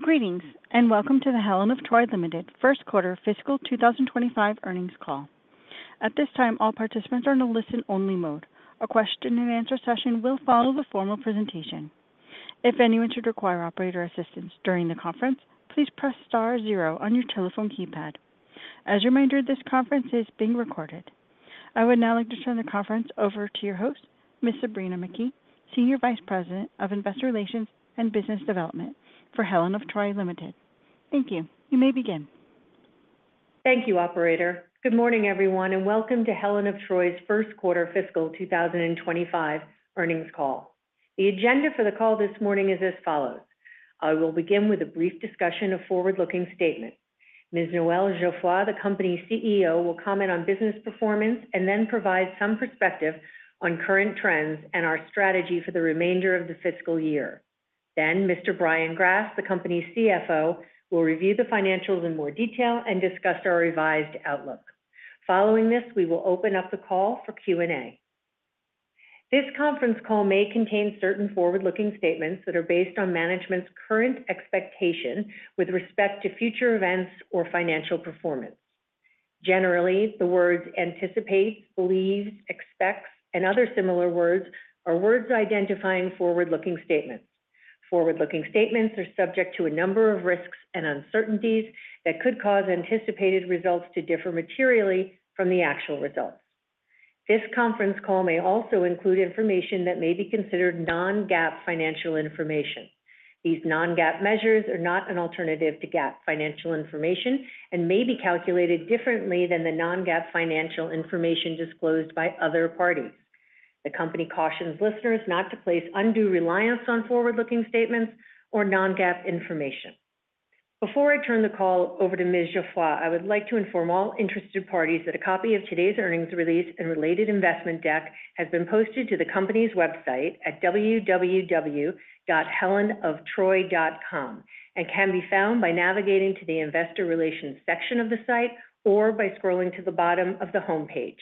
Greetings, and welcome to the Helen of Troy Limited First Quarter Fiscal 2025 Earnings Call. At this time, all participants are in a listen-only mode. A question-and-answer session will follow the formal presentation. If anyone should require operator assistance during the conference, please press star zero on your telephone keypad. As a reminder, this conference is being recorded. I would now like to turn the conference over to your host, Ms. Sabrina McKee, Senior Vice President of Investor Relations and Business Development for Helen of Troy Limited. Thank you. You may begin. Thank you, operator. Good morning, everyone, and welcome to Helen of Troy's first quarter fiscal 2025 earnings call. The agenda for the call this morning is as follows: I will begin with a brief discussion of forward-looking statements. Ms. Noel Geoffroy, the company's CEO, will comment on business performance and then provide some perspective on current trends and our strategy for the remainder of the fiscal year. Then Mr. Brian Grass, the company's CFO, will review the financials in more detail and discuss our revised outlook. Following this, we will open up the call for Q&A. This conference call may contain certain forward-looking statements that are based on management's current expectation with respect to future events or financial performance. Generally, the words anticipate, believes, expects, and other similar words are words identifying forward-looking statements. Forward-looking statements are subject to a number of risks and uncertainties that could cause anticipated results to differ materially from the actual results. This conference call may also include information that may be considered non-GAAP financial information. These non-GAAP measures are not an alternative to GAAP financial information and may be calculated differently than the non-GAAP financial information disclosed by other parties. The company cautions listeners not to place undue reliance on forward-looking statements or non-GAAP information. Before I turn the call over to Ms. Geoffroy, I would like to inform all interested parties that a copy of today's earnings release and related investment deck has been posted to the company's website at www.helenoftroy.com and can be found by navigating to the Investor Relations section of the site or by scrolling to the bottom of the homepage.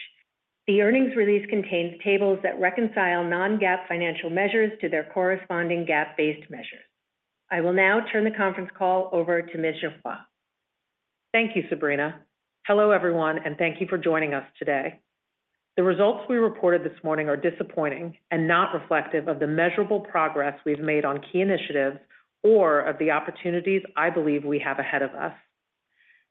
The earnings release contains tables that reconcile Non-GAAP financial measures to their corresponding GAAP-based measures. I will now turn the conference call over to Ms. Geoffroy. Thank you, Sabrina. Hello, everyone, and thank you for joining us today. The results we reported this morning are disappointing and not reflective of the measurable progress we've made on key initiatives or of the opportunities I believe we have ahead of us.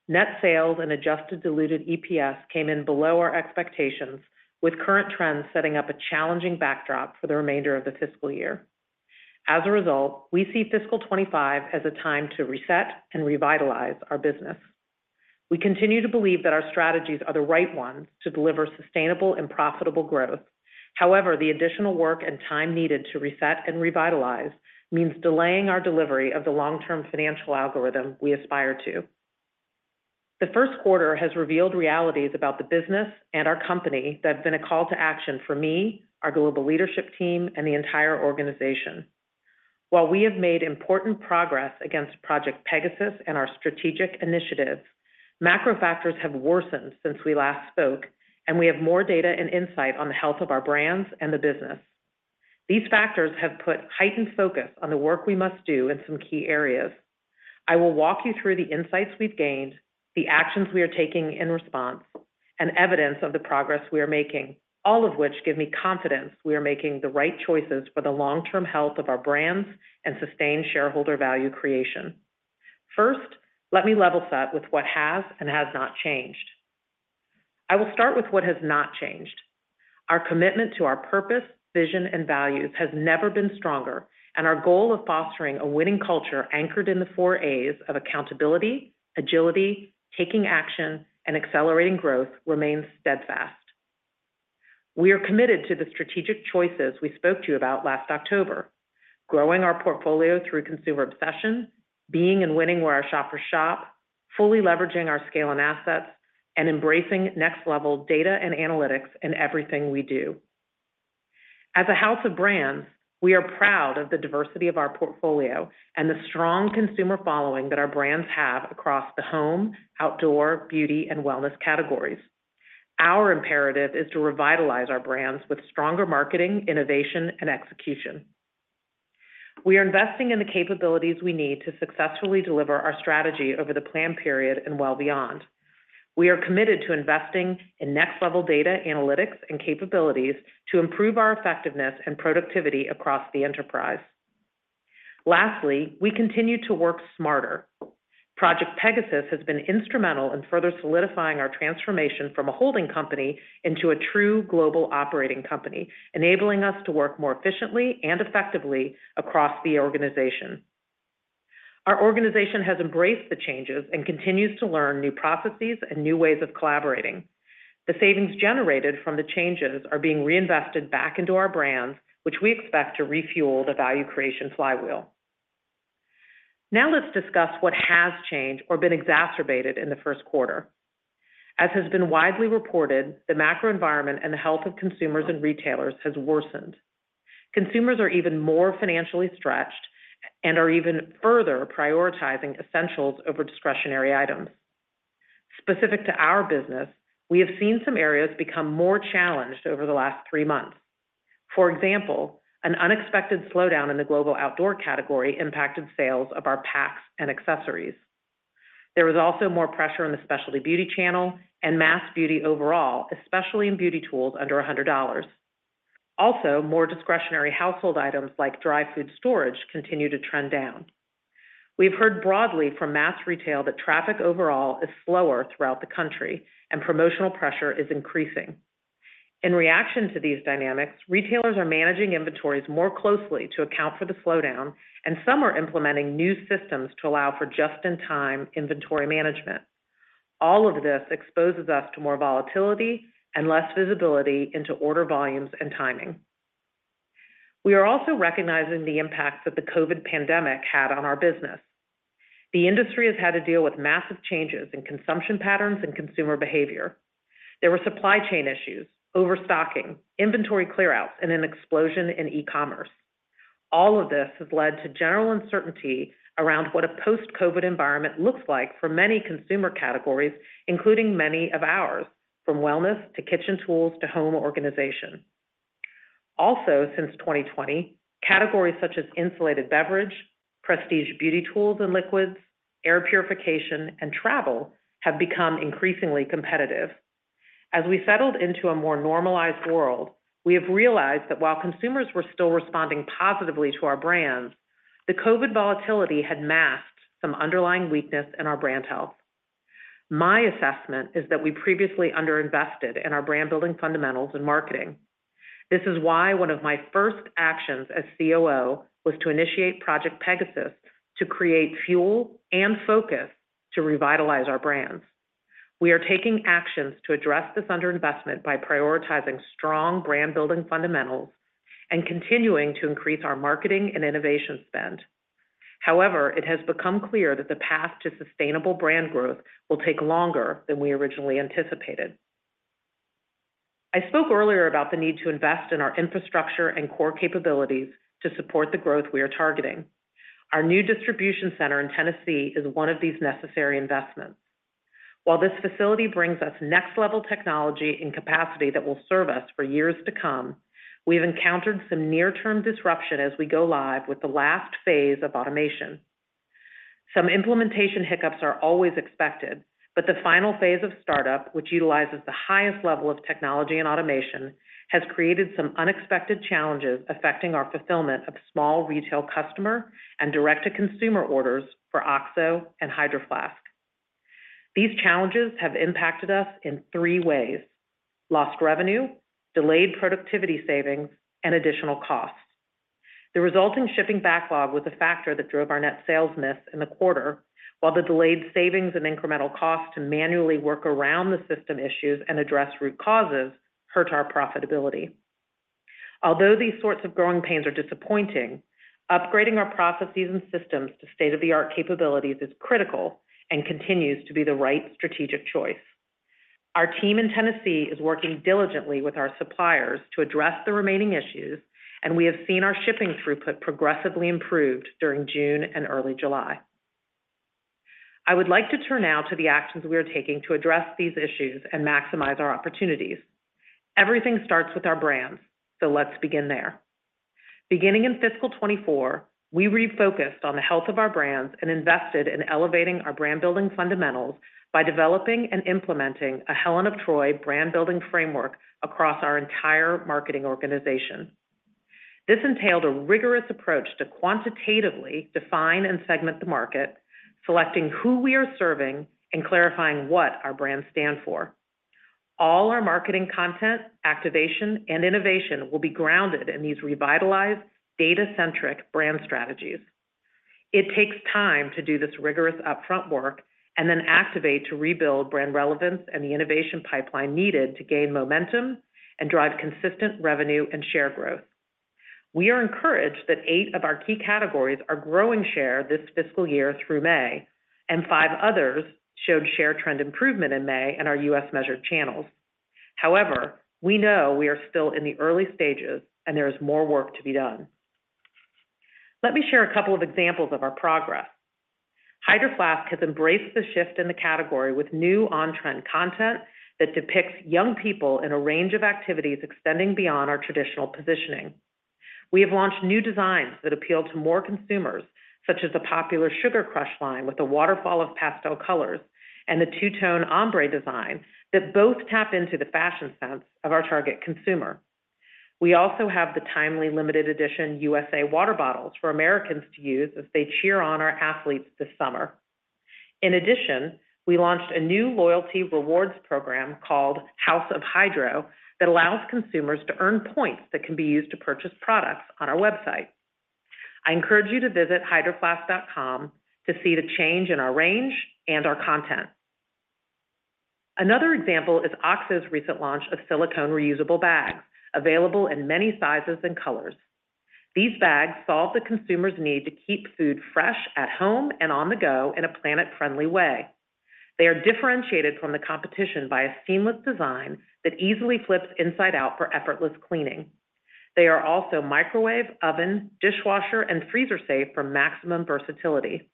Net sales and Adjusted diluted EPS came in below our expectations, with current trends setting up a challenging backdrop for the remainder of the fiscal year. As a result, we see fiscal 2025 as a time to reset and revitalize our business. We continue to believe that our strategies are the right ones to deliver sustainable and profitable growth. However, the additional work and time needed to reset and revitalize means delaying our delivery of the long-term financial algorithm we aspire to. The first quarter has revealed realities about the business and our company that have been a call to action for me, our global leadership team, and the entire organization. While we have made important progress against Project Pegasus and our strategic initiatives, macro factors have worsened since we last spoke, and we have more data and insight on the health of our brands and the business. These factors have put heightened focus on the work we must do in some key areas. I will walk you through the insights we've gained, the actions we are taking in response, and evidence of the progress we are making, all of which give me confidence we are making the right choices for the long-term health of our brands and sustained shareholder value creation. First, let me level set with what has and has not changed. I will start with what has not changed. Our commitment to our purpose, vision, and values has never been stronger, and our goal of fostering a winning culture anchored in the four A's of accountability, agility, taking action, and accelerating growth remains steadfast. We are committed to the strategic choices we spoke to you about last October, growing our portfolio through consumer obsession, being and winning where our shoppers shop, fully leveraging our scale and assets, and embracing next-level data and analytics in everything we do. As a house of brands, we are proud of the diversity of our portfolio and the strong consumer following that our brands have across the home, outdoor, beauty, and wellness categories. Our imperative is to revitalize our brands with stronger marketing, innovation, and execution. We are investing in the capabilities we need to successfully deliver our strategy over the plan period and well beyond. We are committed to investing in next-level data, analytics, and capabilities to improve our effectiveness and productivity across the enterprise. Lastly, we continue to work smarter. Project Pegasus has been instrumental in further solidifying our transformation from a holding company into a true global operating company, enabling us to work more efficiently and effectively across the organization. Our organization has embraced the changes and continues to learn new processes and new ways of collaborating. The savings generated from the changes are being reinvested back into our brands, which we expect to refuel the value creation flywheel. Now, let's discuss what has changed or been exacerbated in the first quarter. As has been widely reported, the macro environment and the health of consumers and retailers has worsened. Consumers are even more financially stretched and are even further prioritizing essentials over discretionary items... Specific to our business, we have seen some areas become more challenged over the last three months. For example, an unexpected slowdown in the global outdoor category impacted sales of our packs and accessories. There was also more pressure on the specialty beauty channel and mass beauty overall, especially in beauty tools under $100. Also, more discretionary household items like dry food storage continue to trend down. We've heard broadly from mass retail that traffic overall is slower throughout the country, and promotional pressure is increasing. In reaction to these dynamics, retailers are managing inventories more closely to account for the slowdown, and some are implementing new systems to allow for just-in-time inventory management. All of this exposes us to more volatility and less visibility into order volumes and timing. We are also recognizing the impact that the COVID pandemic had on our business. The industry has had to deal with massive changes in consumption patterns and consumer behavior. There were supply chain issues, overstocking, inventory clear outs, and an explosion in e-commerce. All of this has led to general uncertainty around what a post-COVID environment looks like for many consumer categories, including many of ours, from wellness to kitchen tools to home organization. Also, since 2020, categories such as insulated beverage, prestige beauty tools and liquids, air purification, and travel have become increasingly competitive. As we settled into a more normalized world, we have realized that while consumers were still responding positively to our brands, the COVID volatility had masked some underlying weakness in our brand health. My assessment is that we previously underinvested in our brand-building fundamentals and marketing. This is why one of my first actions as COO was to initiate Project Pegasus to create fuel and focus to revitalize our brands. We are taking actions to address this underinvestment by prioritizing strong brand-building fundamentals and continuing to increase our marketing and innovation spend. However, it has become clear that the path to sustainable brand growth will take longer than we originally anticipated. I spoke earlier about the need to invest in our infrastructure and core capabilities to support the growth we are targeting. Our new distribution center in Tennessee is one of these necessary investments. While this facility brings us next-level technology and capacity that will serve us for years to come, we've encountered some near-term disruption as we go live with the last phase of automation. Some implementation hiccups are always expected, but the final phase of startup, which utilizes the highest level of technology and automation, has created some unexpected challenges affecting our fulfillment of small retail customer and direct-to-consumer orders for OXO and Hydro Flask. These challenges have impacted us in three ways: lost revenue, delayed productivity savings, and additional costs. The resulting shipping backlog was a factor that drove our net sales miss in the quarter, while the delayed savings and incremental cost to manually work around the system issues and address root causes hurt our profitability. Although these sorts of growing pains are disappointing, upgrading our processes and systems to state-of-the-art capabilities is critical and continues to be the right strategic choice. Our team in Tennessee is working diligently with our suppliers to address the remaining issues, and we have seen our shipping throughput progressively improved during June and early July. I would like to turn now to the actions we are taking to address these issues and maximize our opportunities. Everything starts with our brands, so let's begin there. Beginning in fiscal 2024, we refocused on the health of our brands and invested in elevating our brand-building fundamentals by developing and implementing a Helen of Troy brand-building framework across our entire marketing organization. This entailed a rigorous approach to quantitatively define and segment the market, selecting who we are serving, and clarifying what our brands stand for. All our marketing content, activation, and innovation will be grounded in these revitalized, data-centric brand strategies. It takes time to do this rigorous upfront work and then activate to rebuild brand relevance and the innovation pipeline needed to gain momentum and drive consistent revenue and share growth. We are encouraged that 8 of our key categories are growing share this fiscal year through May, and 5 others showed share trend improvement in May in our U.S. measured channels. However, we know we are still in the early stages, and there is more work to be done. Let me share a couple of examples of our progress. Hydro Flask has embraced the shift in the category with new on-trend content that depicts young people in a range of activities extending beyond our traditional positioning. We have launched new designs that appeal to more consumers, such as the popular Sugar Crush line with a waterfall of pastel colors and the two-tone ombre design that both tap into the fashion sense of our target consumer. We also have the timely, limited edition USA water bottles for Americans to use as they cheer on our athletes this summer. In addition, we launched a new loyalty rewards program called House of Hydro, that allows consumers to earn points that can be used to purchase products on our website. I encourage you to visit hydroflask.com to see the change in our range and our content. Another example is OXO's recent launch of silicone reusable bags, available in many sizes and colors. These bags solve the consumer's need to keep food fresh at home and on the go in a planet-friendly way. They are differentiated from the competition by a seamless design that easily flips inside out for effortless cleaning. They are also microwave, oven, dishwasher, and freezer safe for maximum versatility.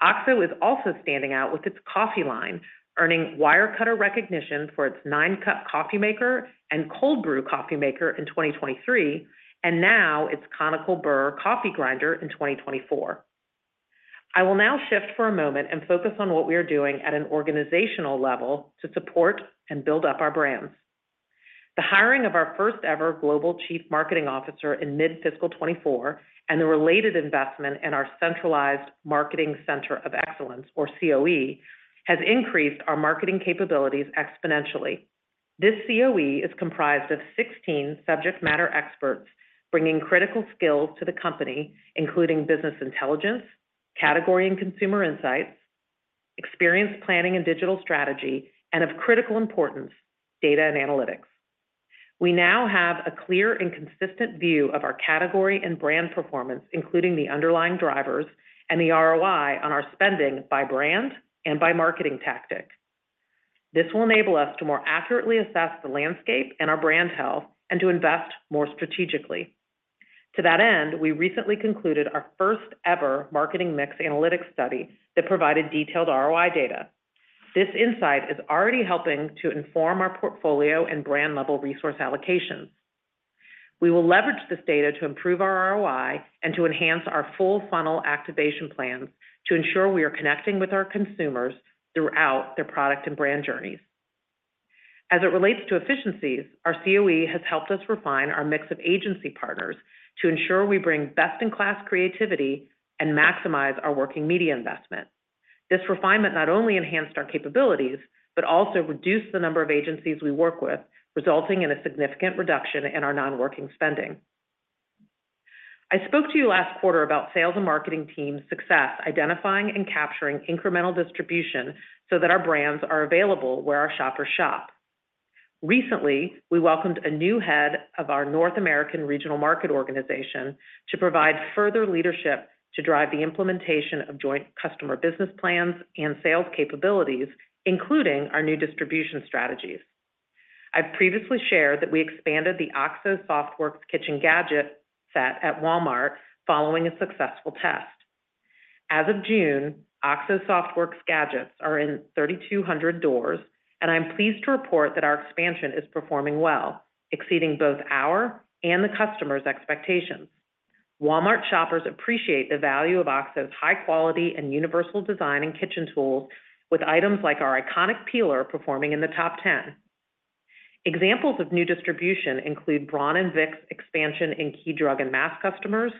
OXO is also standing out with its coffee line, earning Wirecutter recognition for its nine-cup coffee maker and cold brew coffee maker in 2023, and now its Conical Burr coffee grinder in 2024. I will now shift for a moment and focus on what we are doing at an organizational level to support and build up our brands. The hiring of our first-ever global chief marketing officer in mid-fiscal 2024, and the related investment in our centralized marketing center of excellence, or COE, has increased our marketing capabilities exponentially. This COE is comprised of 16 subject matter experts, bringing critical skills to the company, including business intelligence, category and consumer insights, experience planning and digital strategy, and of critical importance, data and analytics. We now have a clear and consistent view of our category and brand performance, including the underlying drivers and the ROI on our spending by brand and by marketing tactic. This will enable us to more accurately assess the landscape and our brand health and to invest more strategically. To that end, we recently concluded our first-ever marketing mix analytics study that provided detailed ROI data. This insight is already helping to inform our portfolio and brand-level resource allocations. We will leverage this data to improve our ROI and to enhance our full funnel activation plans to ensure we are connecting with our consumers throughout their product and brand journeys. As it relates to efficiencies, our COE has helped us refine our mix of agency partners to ensure we bring best-in-class creativity and maximize our working media investment. This refinement not only enhanced our capabilities, but also reduced the number of agencies we work with, resulting in a significant reduction in our non-working spending. I spoke to you last quarter about sales and marketing team success, identifying and capturing incremental distribution so that our brands are available where our shoppers shop. Recently, we welcomed a new head of our North American Regional Market Organization to provide further leadership to drive the implementation of joint customer business plans and sales capabilities, including our new distribution strategies. I've previously shared that we expanded the OXO SoftWorks Kitchen Gadget set at Walmart following a successful test. As of June, OXO SoftWorks gadgets are in 3,200 doors, and I'm pleased to report that our expansion is performing well, exceeding both our and the customer's expectations. Walmart shoppers appreciate the value of OXO's high quality and universal design and kitchen tools, with items like our iconic peeler performing in the top 10. Examples of new distribution include Braun and Vicks expansion in key drug and mass customers,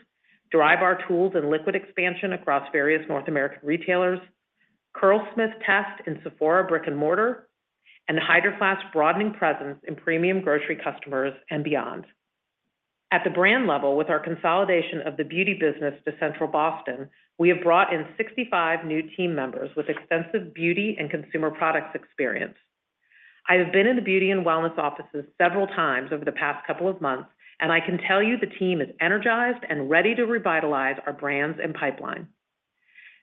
Drybar tools and liquid expansion across various North American retailers, Curlsmith test in Sephora brick-and-mortar, and Hydro Flask broadening presence in premium grocery customers and beyond. At the brand level, with our consolidation of the beauty business to Boston, Massachusetts, we have brought in 65 new team members with extensive beauty and consumer products experience. I have been in the beauty and wellness offices several times over the past couple of months, and I can tell you the team is energized and ready to revitalize our brands and pipeline.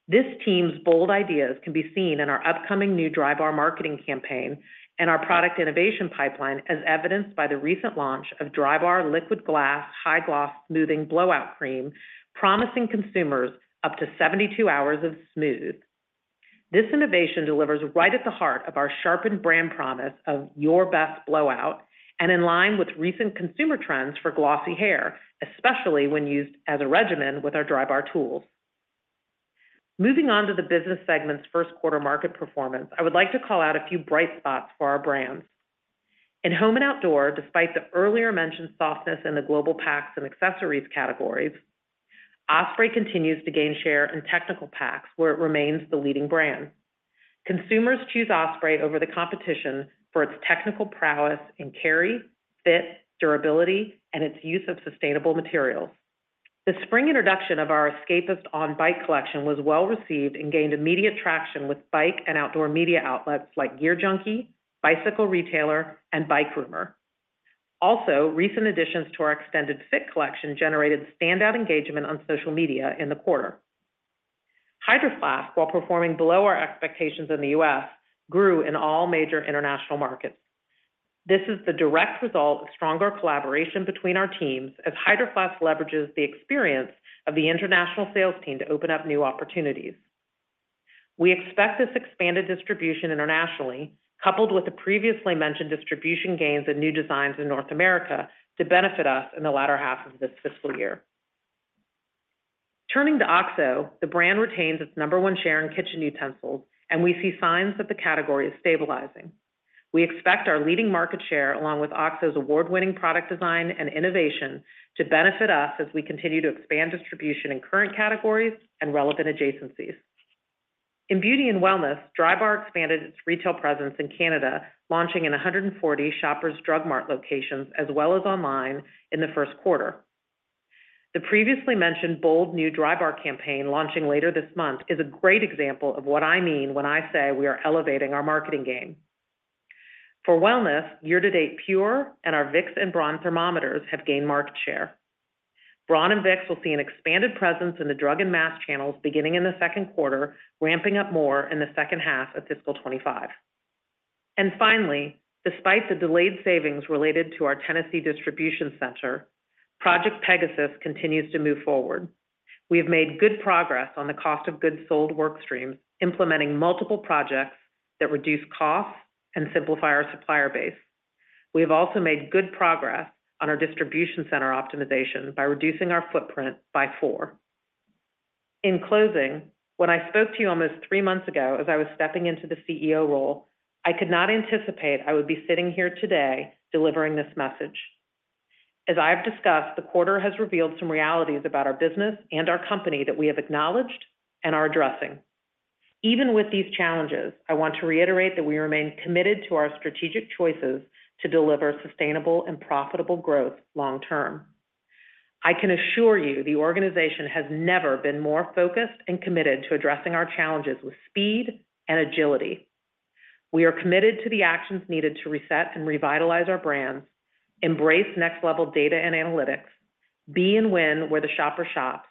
This team's bold ideas can be seen in our upcoming new Drybar marketing campaign and our product innovation pipeline, as evidenced by the recent launch of Drybar Liquid Glass High Gloss Smoothing Blowout Cream, promising consumers up to 72 hours of smooth. This innovation delivers right at the heart of our sharpened brand promise of "Your best blowout," and in line with recent consumer trends for glossy hair, especially when used as a regimen with our Drybar tools. Moving on to the business segment's first quarter market performance, I would like to call out a few bright spots for our brands. In home and outdoor, despite the earlier mentioned softness in the global packs and accessories categories, Osprey continues to gain share in technical packs, where it remains the leading brand. Consumers choose Osprey over the competition for its technical prowess in carry, fit, durability, and its use of sustainable materials. The spring introduction of our Escapist On-Bike Collection was well-received and gained immediate traction with bike and outdoor media outlets like GearJunkie, Bicycle Retailer, and BikeRumor. Also, recent additions to our extended fit collection generated standout engagement on social media in the quarter. Hydro Flask, while performing below our expectations in the U.S., grew in all major international markets. This is the direct result of stronger collaboration between our teams as Hydro Flask leverages the experience of the international sales team to open up new opportunities. We expect this expanded distribution internationally, coupled with the previously mentioned distribution gains and new designs in North America, to benefit us in the latter half of this fiscal year. Turning to OXO, the brand retains its number one share in kitchen utensils, and we see signs that the category is stabilizing. We expect our leading market share, along with OXO's award-winning product design and innovation, to benefit us as we continue to expand distribution in current categories and relevant adjacencies. In beauty and wellness, Drybar expanded its retail presence in Canada, launching in 140 Shoppers Drug Mart locations as well as online in the first quarter. The previously mentioned bold new Drybar campaign, launching later this month, is a great example of what I mean when I say we are elevating our marketing game. For wellness, year-to-date, PUR and our Vicks and Braun thermometers have gained market share. Braun and Vicks will see an expanded presence in the drug and mass channels beginning in the second quarter, ramping up more in the second half of fiscal 2025. And finally, despite the delayed savings related to our Tennessee distribution center, Project Pegasus continues to move forward. We have made good progress on the cost of goods sold workstream, implementing multiple projects that reduce costs and simplify our supplier base. We have also made good progress on our distribution center optimization by reducing our footprint by four. In closing, when I spoke to you almost three months ago, as I was stepping into the CEO role, I could not anticipate I would be sitting here today delivering this message. As I have discussed, the quarter has revealed some realities about our business and our company that we have acknowledged and are addressing. Even with these challenges, I want to reiterate that we remain committed to our strategic choices to deliver sustainable and profitable growth long term. I can assure you, the organization has never been more focused and committed to addressing our challenges with speed and agility. We are committed to the actions needed to reset and revitalize our brands, embrace next level data and analytics, be and win where the shopper shops,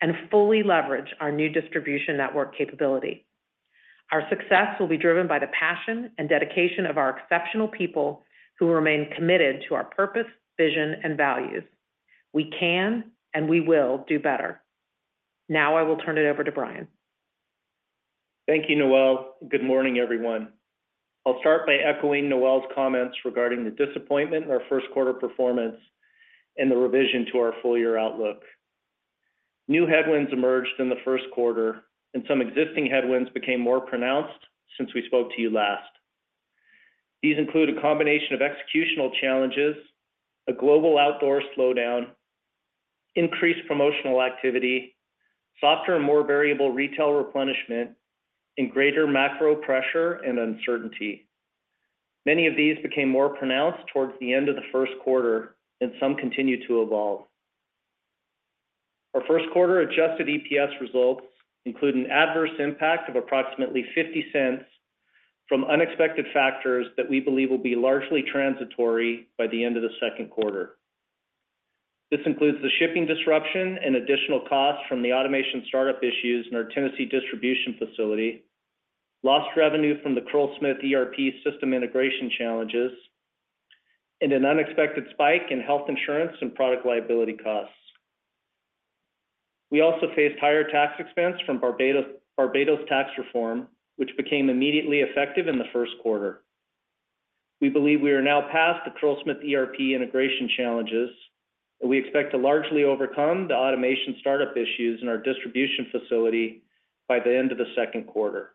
and fully leverage our new distribution network capability. Our success will be driven by the passion and dedication of our exceptional people who remain committed to our purpose, vision, and values. We can and we will do better. Now I will turn it over to Brian. Thank you, Noel. Good morning, everyone. I'll start by echoing Noel's comments regarding the disappointment in our first quarter performance and the revision to our full year outlook. New headwinds emerged in the first quarter, and some existing headwinds became more pronounced since we spoke to you last. These include a combination of executional challenges, a global outdoor slowdown, increased promotional activity, softer and more variable retail replenishment, and greater macro pressure and uncertainty. Many of these became more pronounced towards the end of the first quarter, and some continue to evolve. Our first quarter adjusted EPS results include an adverse impact of approximately $0.50 from unexpected factors that we believe will be largely transitory by the end of the second quarter. This includes the shipping disruption and additional costs from the automation startup issues in our Tennessee distribution facility, lost revenue from the Curlsmith ERP system integration challenges, and an unexpected spike in health insurance and product liability costs. We also faced higher tax expense from Barbados tax reform, which became immediately effective in the first quarter. We believe we are now past the Curlsmith ERP integration challenges, and we expect to largely overcome the automation startup issues in our distribution facility by the end of the second quarter.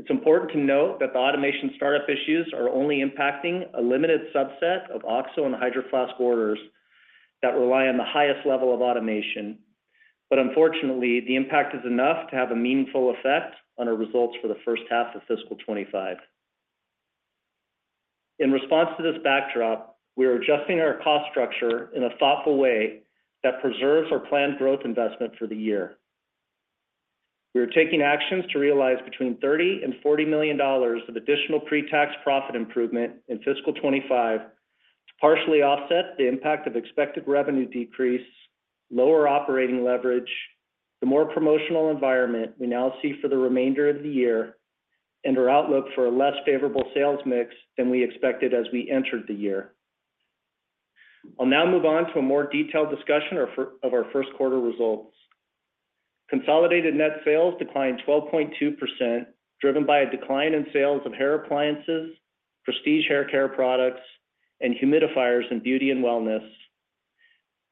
It's important to note that the automation startup issues are only impacting a limited subset of OXO and Hydro Flask orders that rely on the highest level of automation. But unfortunately, the impact is enough to have a meaningful effect on our results for the first half of fiscal 2025. In response to this backdrop, we are adjusting our cost structure in a thoughtful way that preserves our planned growth investment for the year. We are taking actions to realize between $30 million and $40 million of additional pre-tax profit improvement in fiscal 2025 to partially offset the impact of expected revenue decrease, lower operating leverage, the more promotional environment we now see for the remainder of the year, and our outlook for a less favorable sales mix than we expected as we entered the year. I'll now move on to a more detailed discussion of our first quarter results. Consolidated net sales declined 12.2%, driven by a decline in sales of hair appliances, prestige hair care products, and humidifiers in beauty and wellness,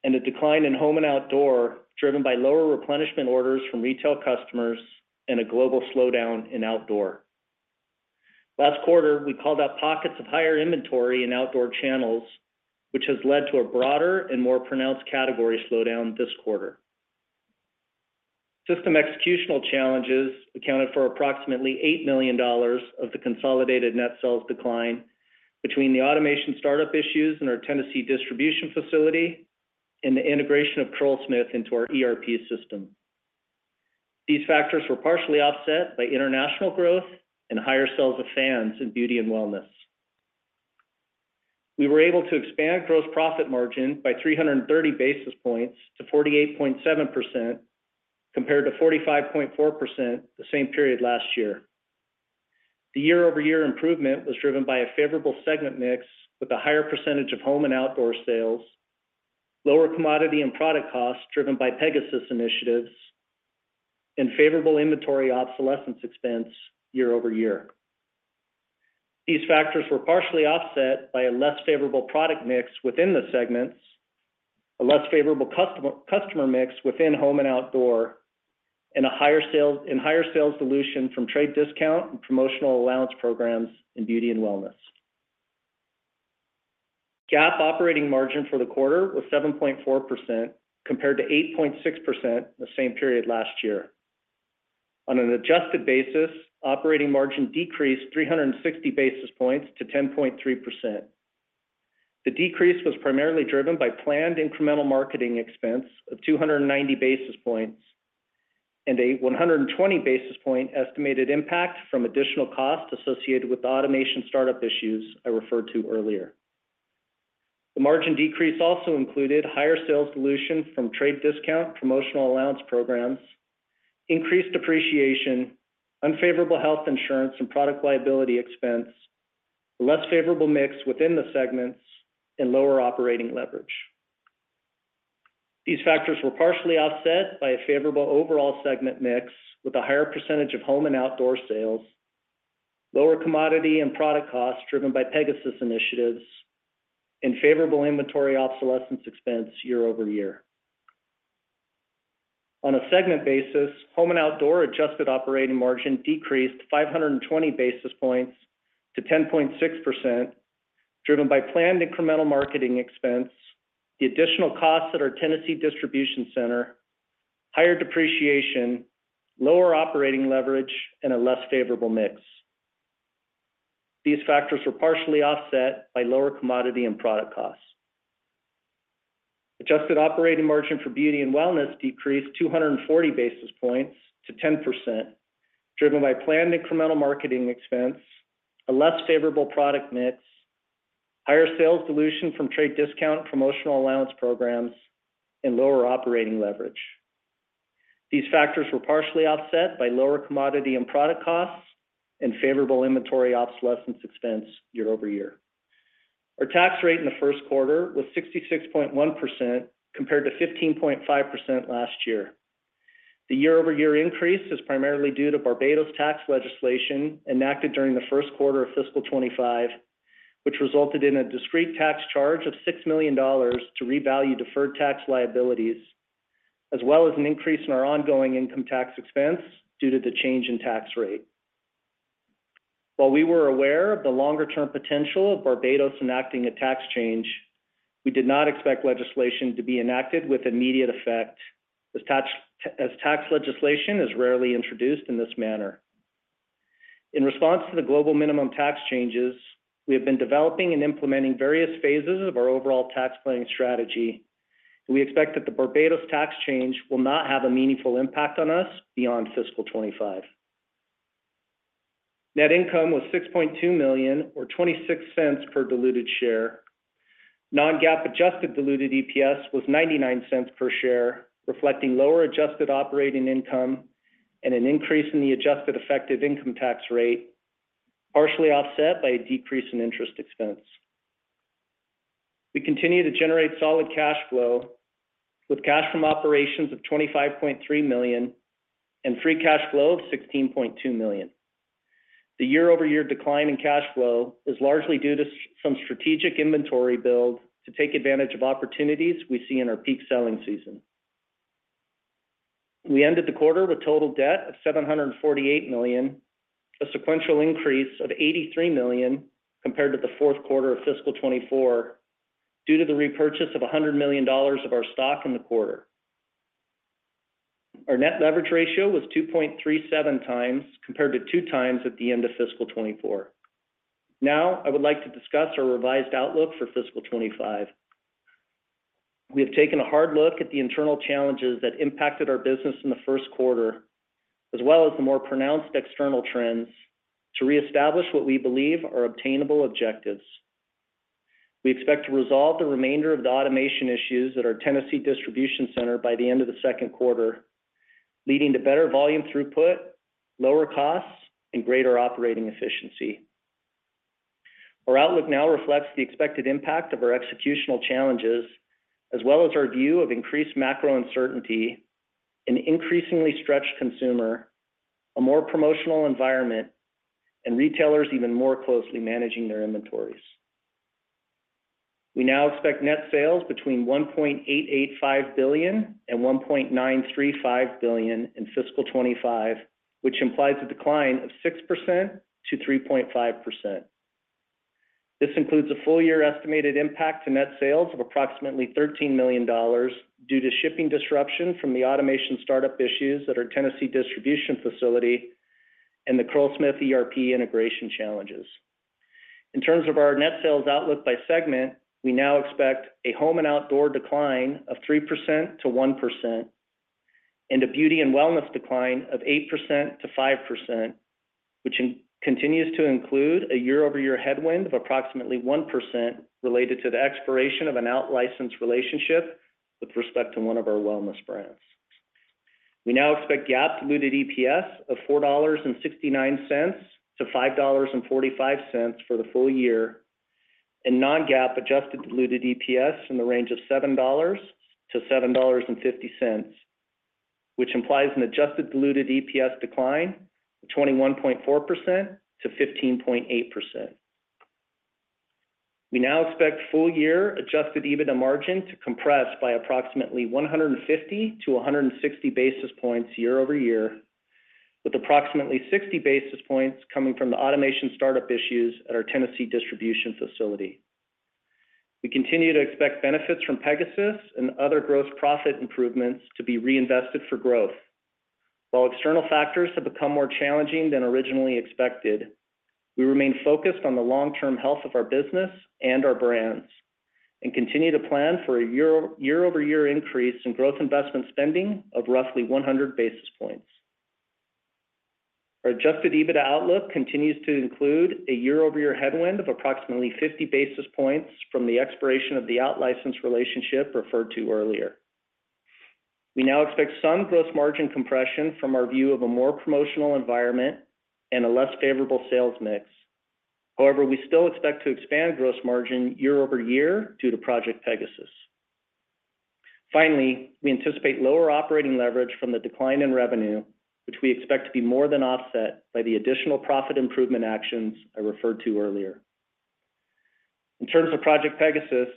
and a decline in home and outdoor, driven by lower replenishment orders from retail customers and a global slowdown in outdoor. Last quarter, we called out pockets of higher inventory in outdoor channels, which has led to a broader and more pronounced category slowdown this quarter. System executional challenges accounted for approximately $8 million of the consolidated net sales decline between the automation startup issues in our Tennessee distribution facility and the integration of Curlsmith into our ERP system. These factors were partially offset by international growth and higher sales of fans in beauty and wellness. We were able to expand gross profit margin by 300 basis points to 48.7%, compared to 45.4% the same period last year. The year-over-year improvement was driven by a favorable segment mix with a higher percentage of home and outdoor sales, lower commodity and product costs driven by Pegasus initiatives, and favorable inventory obsolescence expense year-over- year. These factors were partially offset by a less favorable product mix within the segments, a less favorable customer mix within home and outdoor, and a higher sales dilution from trade discount and promotional allowance programs in beauty and wellness. GAAP operating margin for the quarter was 7.4%, compared to 8.6% the same period last year. On an adjusted basis, operating margin decreased 360 basis points to 10.3%. The decrease was primarily driven by planned incremental marketing expense of 290 basis points and a 120 basis point estimated impact from additional costs associated with the automation startup issues I referred to earlier. The margin decrease also included higher sales dilution from trade discount, promotional allowance programs, increased depreciation, unfavorable health insurance and product liability expense, less favorable mix within the segments, and lower operating leverage. These factors were partially offset by a favorable overall segment mix, with a higher percentage of home and outdoor sales, lower commodity and product costs driven by Pegasus initiatives, and favorable inventory obsolescence expense year-over-year. On a segment basis, home and outdoor adjusted operating margin decreased 520 basis points to 10.6%, driven by planned incremental marketing expense, the additional costs at our Tennessee distribution center, higher depreciation, lower operating leverage, and a less favorable mix. These factors were partially offset by lower commodity and product costs. Adjusted operating margin for beauty and wellness decreased 240 basis points to 10%, driven by planned incremental marketing expense, a less favorable product mix, higher sales dilution from trade discount, promotional allowance programs, and lower operating leverage. These factors were partially offset by lower commodity and product costs and favorable inventory obsolescence expense year-over-year. Our tax rate in the first quarter was 66.1%, compared to 15.5% last year. The year-over-year increase is primarily due to Barbados tax legislation enacted during the first quarter of fiscal 2025, which resulted in a discrete tax charge of $6 million to revalue deferred tax liabilities, as well as an increase in our ongoing income tax expense due to the change in tax rate. While we were aware of the longer-term potential of Barbados enacting a tax change, we did not expect legislation to be enacted with immediate effect, as tax legislation is rarely introduced in this manner. In response to the global minimum tax changes, we have been developing and implementing various phases of our overall tax planning strategy. We expect that the Barbados tax change will not have a meaningful impact on us beyond fiscal 2025. Net income was $6.2 million, or $0.26 per diluted share. Non-GAAP adjusted diluted EPS was $0.99 per share, reflecting lower adjusted operating income and an increase in the adjusted effective income tax rate, partially offset by a decrease in interest expense. We continue to generate solid cash flow, with cash from operations of $25.3 million and free cash flow of $16.2 million. The year-over-year decline in cash flow is largely due to some strategic inventory build to take advantage of opportunities we see in our peak selling season. We ended the quarter with total debt of $748 million, a sequential increase of $83 million compared to the fourth quarter of fiscal 2024, due to the repurchase of $100 million of our stock in the quarter. Our net leverage ratio was 2.37 times, compared to 2 times at the end of fiscal 2024. Now, I would like to discuss our revised outlook for fiscal 2025. We have taken a hard look at the internal challenges that impacted our business in the first quarter, as well as the more pronounced external trends, to reestablish what we believe are obtainable objectives. We expect to resolve the remainder of the automation issues at our Tennessee distribution center by the end of the second quarter, leading to better volume throughput, lower costs, and greater operating efficiency. Our outlook now reflects the expected impact of our executional challenges, as well as our view of increased macro uncertainty, an increasingly stretched consumer, a more promotional environment, and retailers even more closely managing their inventories. We now expect net sales between $1.885 billion and $1.935 billion in fiscal 2025, which implies a decline of 6% to 3.5%. This includes a full year estimated impact to net sales of approximately $13 million due to shipping disruption from the automation startup issues at our Tennessee distribution facility and the Curlsmith ERP integration challenges. In terms of our net sales outlook by segment, we now expect a home and outdoor decline of 3%-1%, and a beauty and wellness decline of 8%-5%, which continues to include a year-over-year headwind of approximately 1% related to the expiration of an out-license relationship with respect to one of our wellness brands. We now expect GAAP diluted EPS of $4.69-$5.45 for the full year, and non-GAAP adjusted diluted EPS in the range of $7.00-$7.50, which implies an adjusted diluted EPS decline of 21.4%-15.8%. We now expect full-year Adjusted EBITDA margin to compress by approximately 150-160 basis points year-over-year, with approximately 60 basis points coming from the automation startup issues at our Tennessee distribution facility. We continue to expect benefits from Pegasus and other gross profit improvements to be reinvested for growth. While external factors have become more challenging than originally expected, we remain focused on the long-term health of our business and our brands, and continue to plan for a year-over-year increase in growth investment spending of roughly 100 basis points....Our Adjusted EBITDA outlook continues to include a year-over-year headwind of approximately 50 basis points from the expiration of the out-license relationship referred to earlier. We now expect some gross margin compression from our view of a more promotional environment and a less favorable sales mix. However, we still expect to expand gross margin year-over-year due to Project Pegasus. Finally, we anticipate lower operating leverage from the decline in revenue, which we expect to be more than offset by the additional profit improvement actions I referred to earlier. In terms of Project Pegasus,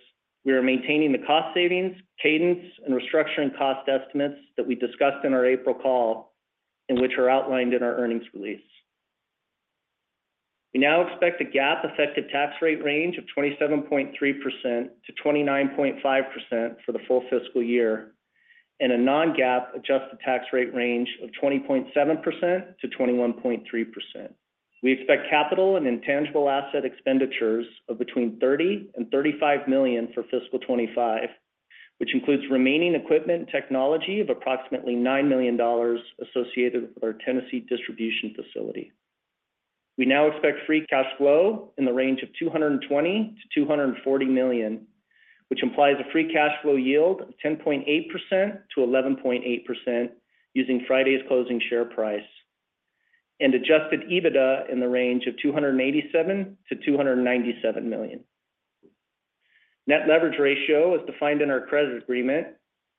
we are maintaining the cost savings, cadence, and restructuring cost estimates that we discussed in our April call, and which are outlined in our earnings release. We now expect a GAAP effective tax rate range of 27.3%-29.5% for the full fiscal year, and a non-GAAP adjusted tax rate range of 20.7%-21.3%. We expect capital and intangible asset expenditures of between $30-$35 million for fiscal 2025, which includes remaining equipment technology of approximately $9 million associated with our Tennessee distribution facility. We now expect free cash flow in the range of $220 million-$240 million, which implies a free cash flow yield of 10.8%-11.8% using Friday's closing share price, and adjusted EBITDA in the range of $287 million-$297 million. Net leverage ratio, as defined in our credit agreement,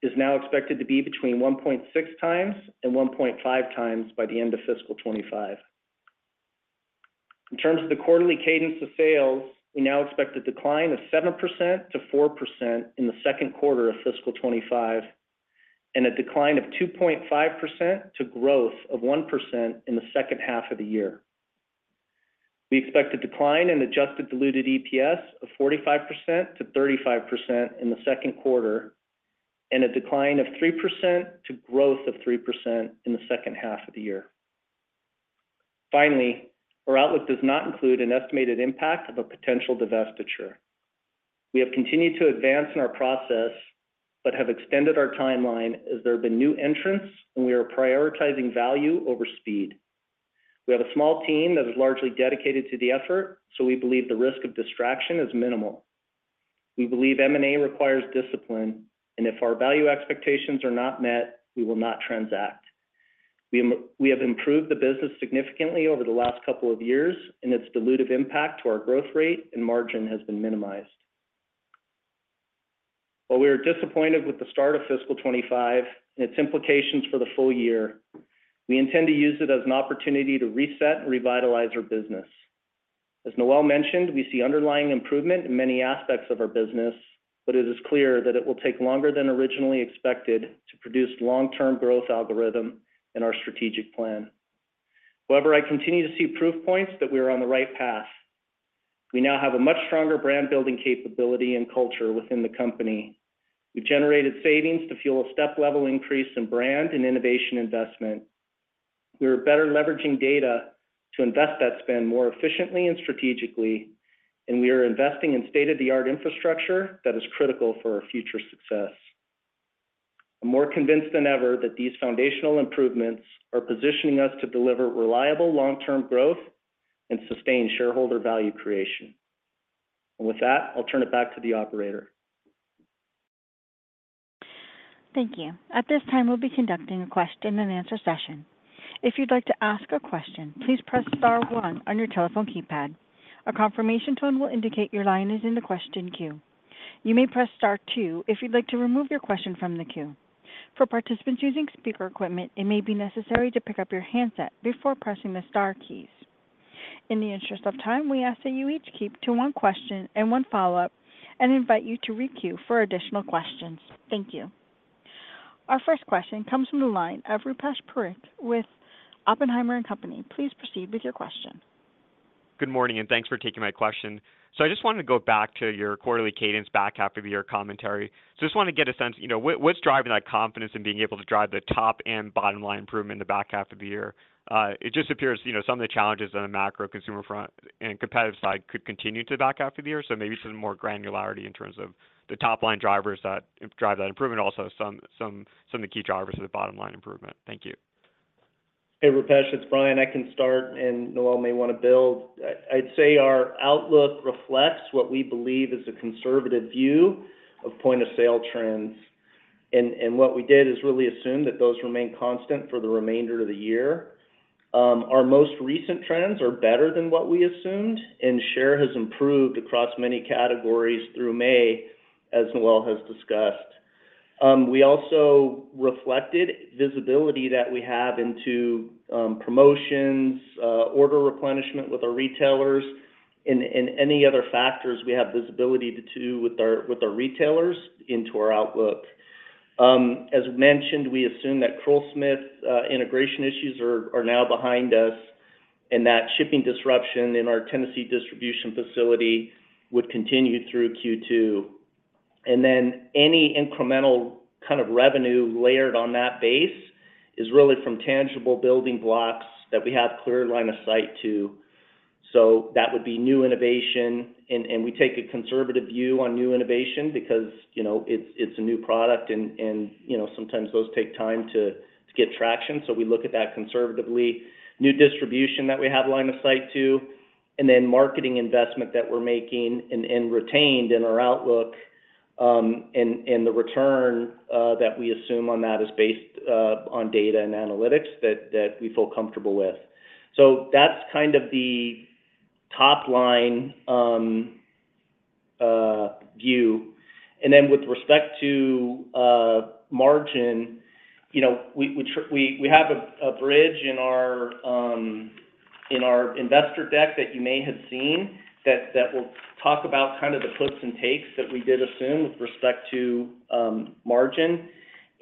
is now expected to be between 1.6 times and 1.5 times by the end of fiscal 2025. In terms of the quarterly cadence of sales, we now expect a decline of -7% to -4% in the second quarter of fiscal 2025, and a decline of -2.5% to growth of +1% in the second half of the year. We expect a decline in adjusted diluted EPS of 45%-35% in the second quarter, and a decline of 3% to growth of 3% in the second half of the year. Finally, our outlook does not include an estimated impact of a potential divestiture. We have continued to advance in our process, but have extended our timeline as there have been new entrants, and we are prioritizing value over speed. We have a small team that is largely dedicated to the effort, so we believe the risk of distraction is minimal. We believe M&A requires discipline, and if our value expectations are not met, we will not transact. We have improved the business significantly over the last couple of years, and its dilutive impact to our growth rate and margin has been minimized. While we are disappointed with the start of fiscal 25 and its implications for the full year, we intend to use it as an opportunity to reset and revitalize our business. As Noel mentioned, we see underlying improvement in many aspects of our business, but it is clear that it will take longer than originally expected to produce long-term growth algorithm in our strategic plan. However, I continue to see proof points that we are on the right path. We now have a much stronger brand-building capability and culture within the company. We've generated savings to fuel a step-level increase in brand and innovation investment. We are better leveraging data to invest that spend more efficiently and strategically, and we are investing in state-of-the-art infrastructure that is critical for our future success. I'm more convinced than ever that these foundational improvements are positioning us to deliver reliable long-term growth and sustain shareholder value creation. With that, I'll turn it back to the operator. Thank you. At this time, we'll be conducting a question and answer session. If you'd like to ask a question, please press star one on your telephone keypad. A confirmation tone will indicate your line is in the question queue. You may press star two if you'd like to remove your question from the queue. For participants using speaker equipment, it may be necessary to pick up your handset before pressing the star keys. In the interest of time, we ask that you each keep to one question and one follow-up, and invite you to re-queue for additional questions. Thank you. Our first question comes from the line of Rupesh Parikh with Oppenheimer & Co. Please proceed with your question. Good morning, and thanks for taking my question. So I just wanted to go back to your quarterly cadence back half of the year commentary. So just want to get a sense, you know, what's driving that confidence in being able to drive the top- and bottom-line improvement in the back half of the year? It just appears, you know, some of the challenges on the macro consumer front and competitive side could continue to the back half of the year. So maybe some more granularity in terms of the top-line drivers that drive that improvement, also some of the key drivers of the bottom line improvement. Thank you. Hey, Rupesh, it's Brian. I can start, and Noel may want to build. I'd say our outlook reflects what we believe is a conservative view of point-of-sale trends. And what we did is really assume that those remain constant for the remainder of the year. Our most recent trends are better than what we assumed, and share has improved across many categories through May, as Noel has discussed. We also reflected visibility that we have into promotions, order replenishment with our retailers, and any other factors we have visibility to do with our retailers into our outlook. As mentioned, we assume that Curlsmith integration issues are now behind us, and that shipping disruption in our Tennessee distribution facility would continue through Q2. And then any incremental kind of revenue layered on that base is really from tangible building blocks that we have clear line of sight to. So that would be new innovation, and we take a conservative view on new innovation because, you know, it's a new product and, you know, sometimes those take time to get traction. So we look at that conservatively. New distribution that we have line of sight to, and then marketing investment that we're making and retained in our outlook, and the return that we assume on that is based on data and analytics that we feel comfortable with. So that's kind of the top line view. And then with respect to margin, you know, we have a bridge in our investor deck that you may have seen that will talk about kind of the puts and takes that we did assume with respect to margin.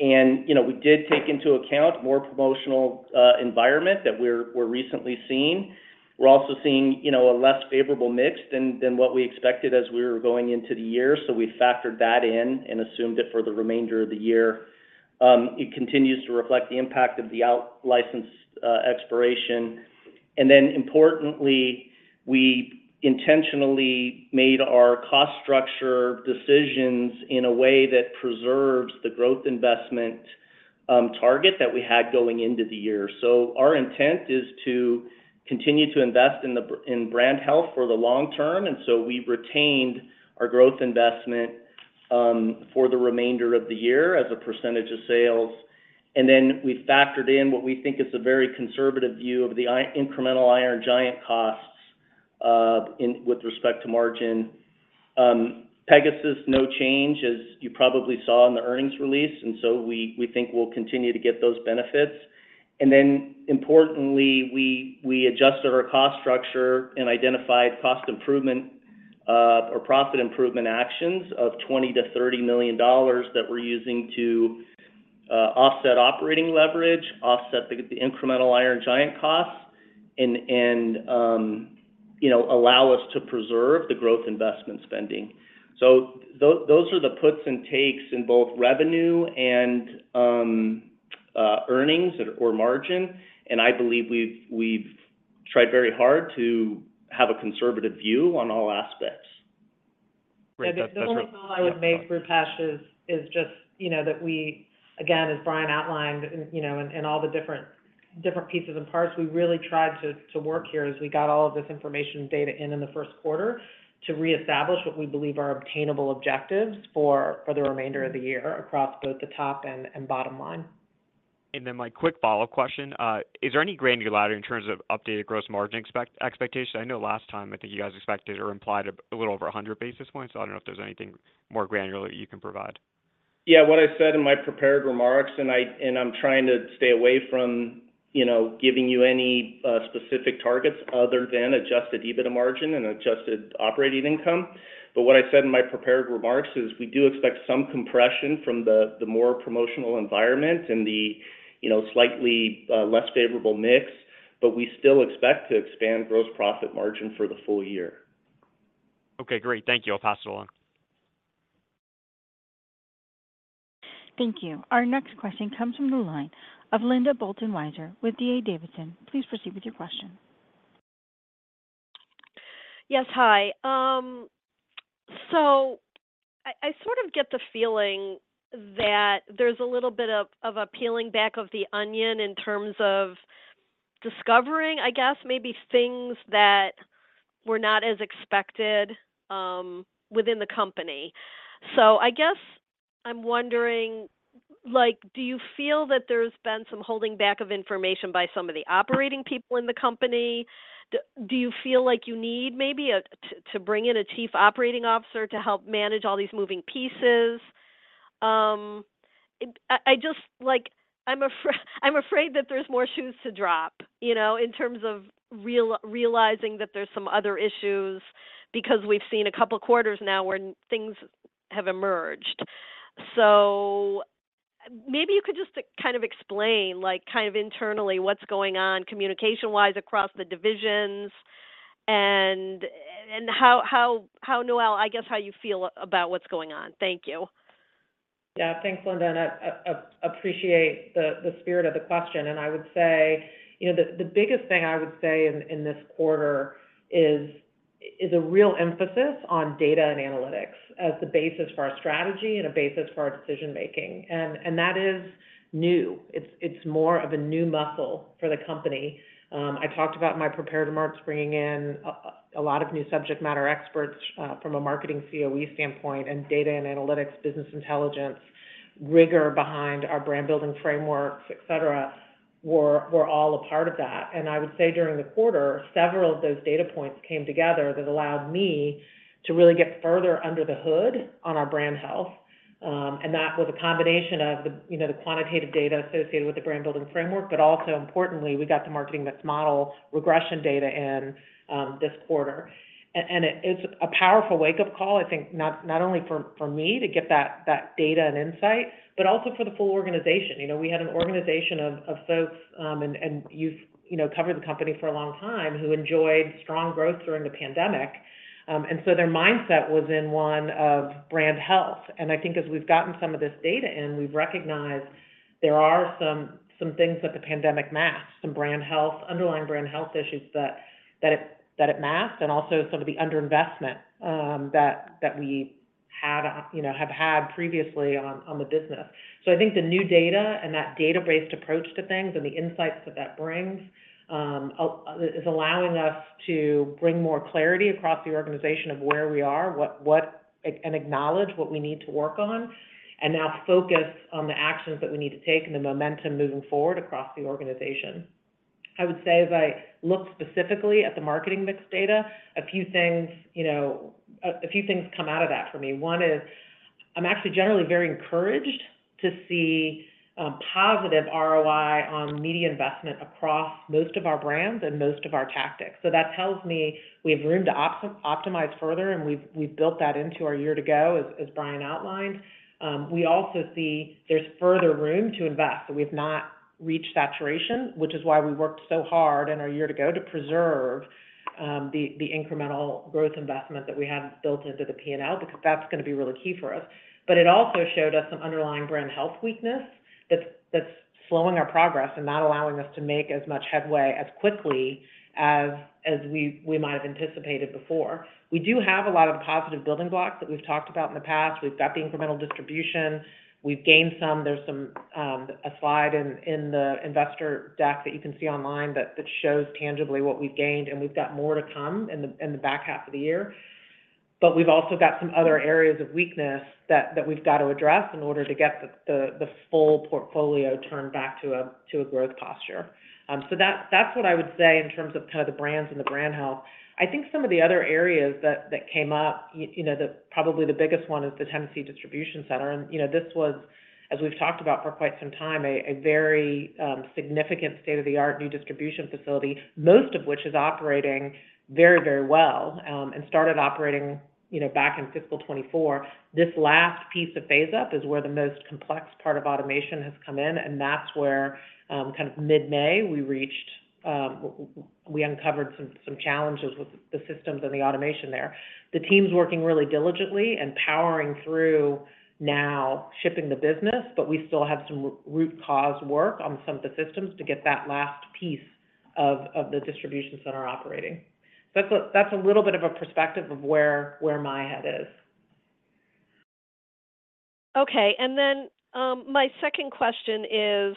And, you know, we did take into account more promotional environment that we're recently seeing. We're also seeing, you know, a less favorable mix than what we expected as we were going into the year, so we factored that in and assumed it for the remainder of the year. It continues to reflect the impact of the out-licensed expiration. And then importantly, we intentionally made our cost structure decisions in a way that preserves the growth investment target that we had going into the year. So our intent is to continue to invest in the brand health for the long term, and so we retained our growth investment for the remainder of the year as a percentage of sales. And then we factored in what we think is a very conservative view of the incremental Iron Giant costs in with respect to margin. Pegasus, no change, as you probably saw in the earnings release, and so we think we'll continue to get those benefits. And then importantly, we adjusted our cost structure and identified cost improvement or profit improvement actions of $20 million-$30 million that we're using to offset operating leverage, offset the incremental Iron Giant costs, and you know, allow us to preserve the growth investment spending. So those are the puts and takes in both revenue and earnings or margin, and I believe we've tried very hard to have a conservative view on all aspects. Great. That- The only comment I would make, Rupesh, is just, you know, that we, again, as Brian outlined, and, you know, all the different pieces and parts, we really tried to work here as we got all of this information data in the first quarter to reestablish what we believe are obtainable objectives for the remainder of the year across both the top and bottom line. Then my quick follow-up question, is there any granularity in terms of updated gross margin expectation? I know last time, I think you guys expected or implied a little over 100 basis points, so I don't know if there's anything more granular that you can provide. Yeah, what I said in my prepared remarks, and I'm trying to stay away from, you know, giving you any specific targets other than Adjusted EBITDA margin and Adjusted operating income. But what I said in my prepared remarks is, we do expect some compression from the more promotional environment and the, you know, slightly less favorable mix, but we still expect to expand gross profit margin for the full year. Okay, great. Thank you. I'll pass it along. Thank you. Our next question comes from the line of Linda Bolton Weiser with D.A. Davidson. Please proceed with your question. Yes, hi. So I sort of get the feeling that there's a little bit of a peeling back of the onion in terms of discovering, I guess, maybe things that were not as expected within the company. So I guess I'm wondering, like, do you feel that there's been some holding back of information by some of the operating people in the company? Do you feel like you need maybe to bring in a chief operating officer to help manage all these moving pieces? I just like... I'm afraid that there's more shoes to drop, you know, in terms of realizing that there's some other issues, because we've seen a couple quarters now where things have emerged. So maybe you could just kind of explain, like, kind of internally, what's going on communication-wise across the divisions, and how, Noel, I guess, how you feel about what's going on? Thank you. Yeah. Thanks, Linda, and I appreciate the spirit of the question. And I would say, you know, the biggest thing I would say in this quarter is a real emphasis on data and analytics as the basis for our strategy and a basis for our decision making. And that is new. It's more of a new muscle for the company. I talked about in my prepared remarks, bringing in a lot of new subject matter experts from a marketing COE standpoint and data and analytics, business intelligence, rigor behind our brand-building frameworks, et cetera, were all a part of that. And I would say during the quarter, several of those data points came together that allowed me to really get further under the hood on our brand health. And that was a combination of the, you know, the quantitative data associated with the brand-building framework, but also, importantly, we got the Marketing Mix Model regression data in, this quarter. And it's a powerful wake-up call, I think, not only for me to get that data and insight, but also for the full organization. You know, we had an organization of folks, and you've, you know, covered the company for a long time, who enjoyed strong growth during the pandemic. And so their mindset was in one of brand health. And I think as we've gotten some of this data in, we've recognized there are some things that the pandemic masked, some brand health, underlying brand health issues that it masked, and also some of the underinvestment, that we-... had, you know, have had previously on the business. So I think the new data and that data-based approach to things and the insights that that brings is allowing us to bring more clarity across the organization of where we are, what and acknowledge what we need to work on, and now focus on the actions that we need to take and the momentum moving forward across the organization. I would say as I look specifically at the marketing mix data, a few things, you know, a few things come out of that for me. One is I'm actually generally very encouraged to see positive ROI on media investment across most of our brands and most of our tactics. So that tells me we have room to optimize further, and we've built that into our year-to-go, as Brian outlined. We also see there's further room to invest. So we've not reached saturation, which is why we worked so hard in our year-to-go to preserve the incremental growth investment that we have built into the P&L, because that's gonna be really key for us. But it also showed us some underlying brand health weakness that's slowing our progress and not allowing us to make as much headway as quickly as we might have anticipated before. We do have a lot of positive building blocks that we've talked about in the past. We've got the incremental distribution. We've gained some. There's a slide in the investor deck that you can see online that shows tangibly what we've gained, and we've got more to come in the back half of the year. But we've also got some other areas of weakness that we've got to address in order to get the full portfolio turned back to a growth posture. So that's what I would say in terms of kind of the brands and the brand health. I think some of the other areas that came up, you know, probably the biggest one is the Tennessee Distribution Center. And, you know, this was, as we've talked about for quite some time, a very significant state-of-the-art new distribution facility, most of which is operating very, very well, and started operating, you know, back in fiscal 2024. This last piece of phase up is where the most complex part of automation has come in, and that's where, kind of mid-May, we reached... We uncovered some challenges with the systems and the automation there. The team's working really diligently and powering through now, shipping the business, but we still have some root cause work on some of the systems to get that last piece of the distribution center operating. So that's a little bit of a perspective of where my head is. Okay. And then, my second question is,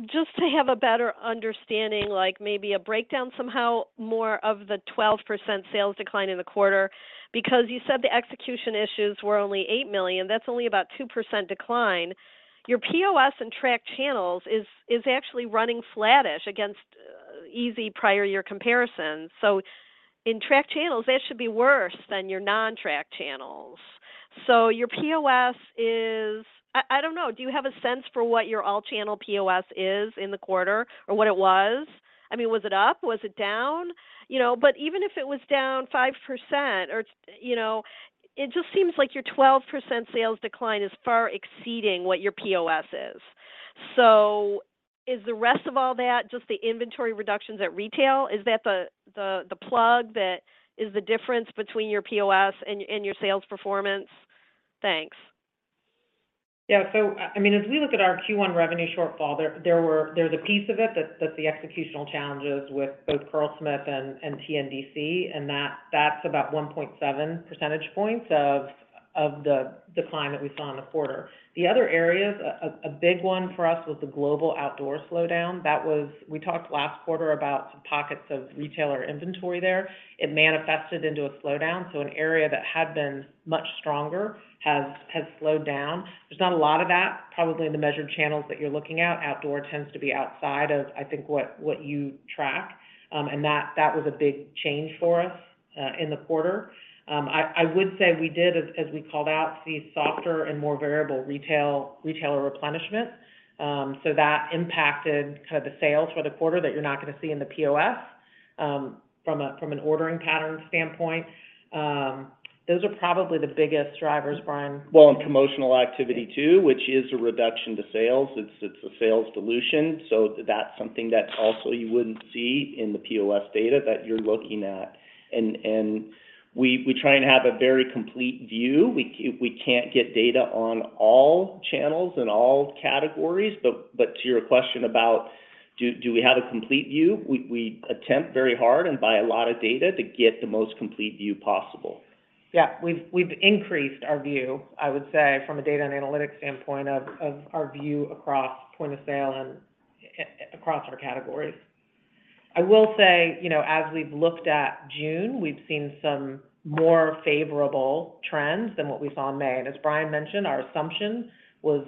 just to have a better understanding, like maybe a breakdown, somehow, more of the 12% sales decline in the quarter, because you said the execution issues were only $8 million. That's only about 2% decline. Your POS and tracked channels is actually running flattish against, easy prior year comparisons. So in tracked channels, that should be worse than your non-tracked channels. So your POS is... I don't know, do you have a sense for what your all-channel POS is in the quarter or what it was? I mean, was it up? Was it down? You know, but even if it was down 5% or, you know, it just seems like your 12% sales decline is far exceeding what your POS is. So is the rest of all that just the inventory reductions at retail? Is that the plug that is the difference between your POS and your sales performance? Thanks. Yeah. So, I mean, as we look at our Q1 revenue shortfall, there, there were-- there's a piece of it that's, that's the executional challenges with both Curlsmith and, and TNDC, and that's about 1.7 percentage points of, of the decline that we saw in the quarter. The other areas, a big one for us was the global outdoor slowdown. That was. We talked last quarter about some pockets of retailer inventory there. It manifested into a slowdown, so an area that had been much stronger has slowed down. There's not a lot of that, probably in the measured channels that you're looking at. Outdoor tends to be outside of, I think, what you track, and that was a big change for us in the quarter. I would say we did, as we called out, see softer and more variable retailer replenishment. So that impacted kind of the sales for the quarter that you're not gonna see in the POS, from an ordering pattern standpoint. Those are probably the biggest drivers, Brian? Well, and promotional activity too, which is a reduction to sales. It's a sales dilution, so that's something that also you wouldn't see in the POS data that you're looking at. And we try and have a very complete view. We can't get data on all channels and all categories, but to your question about do we have a complete view? We attempt very hard and buy a lot of data to get the most complete view possible. Yeah. We've increased our view, I would say, from a data and analytics standpoint of our view across point of sale and across our categories. I will say, you know, as we've looked at June, we've seen some more favorable trends than what we saw in May. And as Brian mentioned, our assumption was,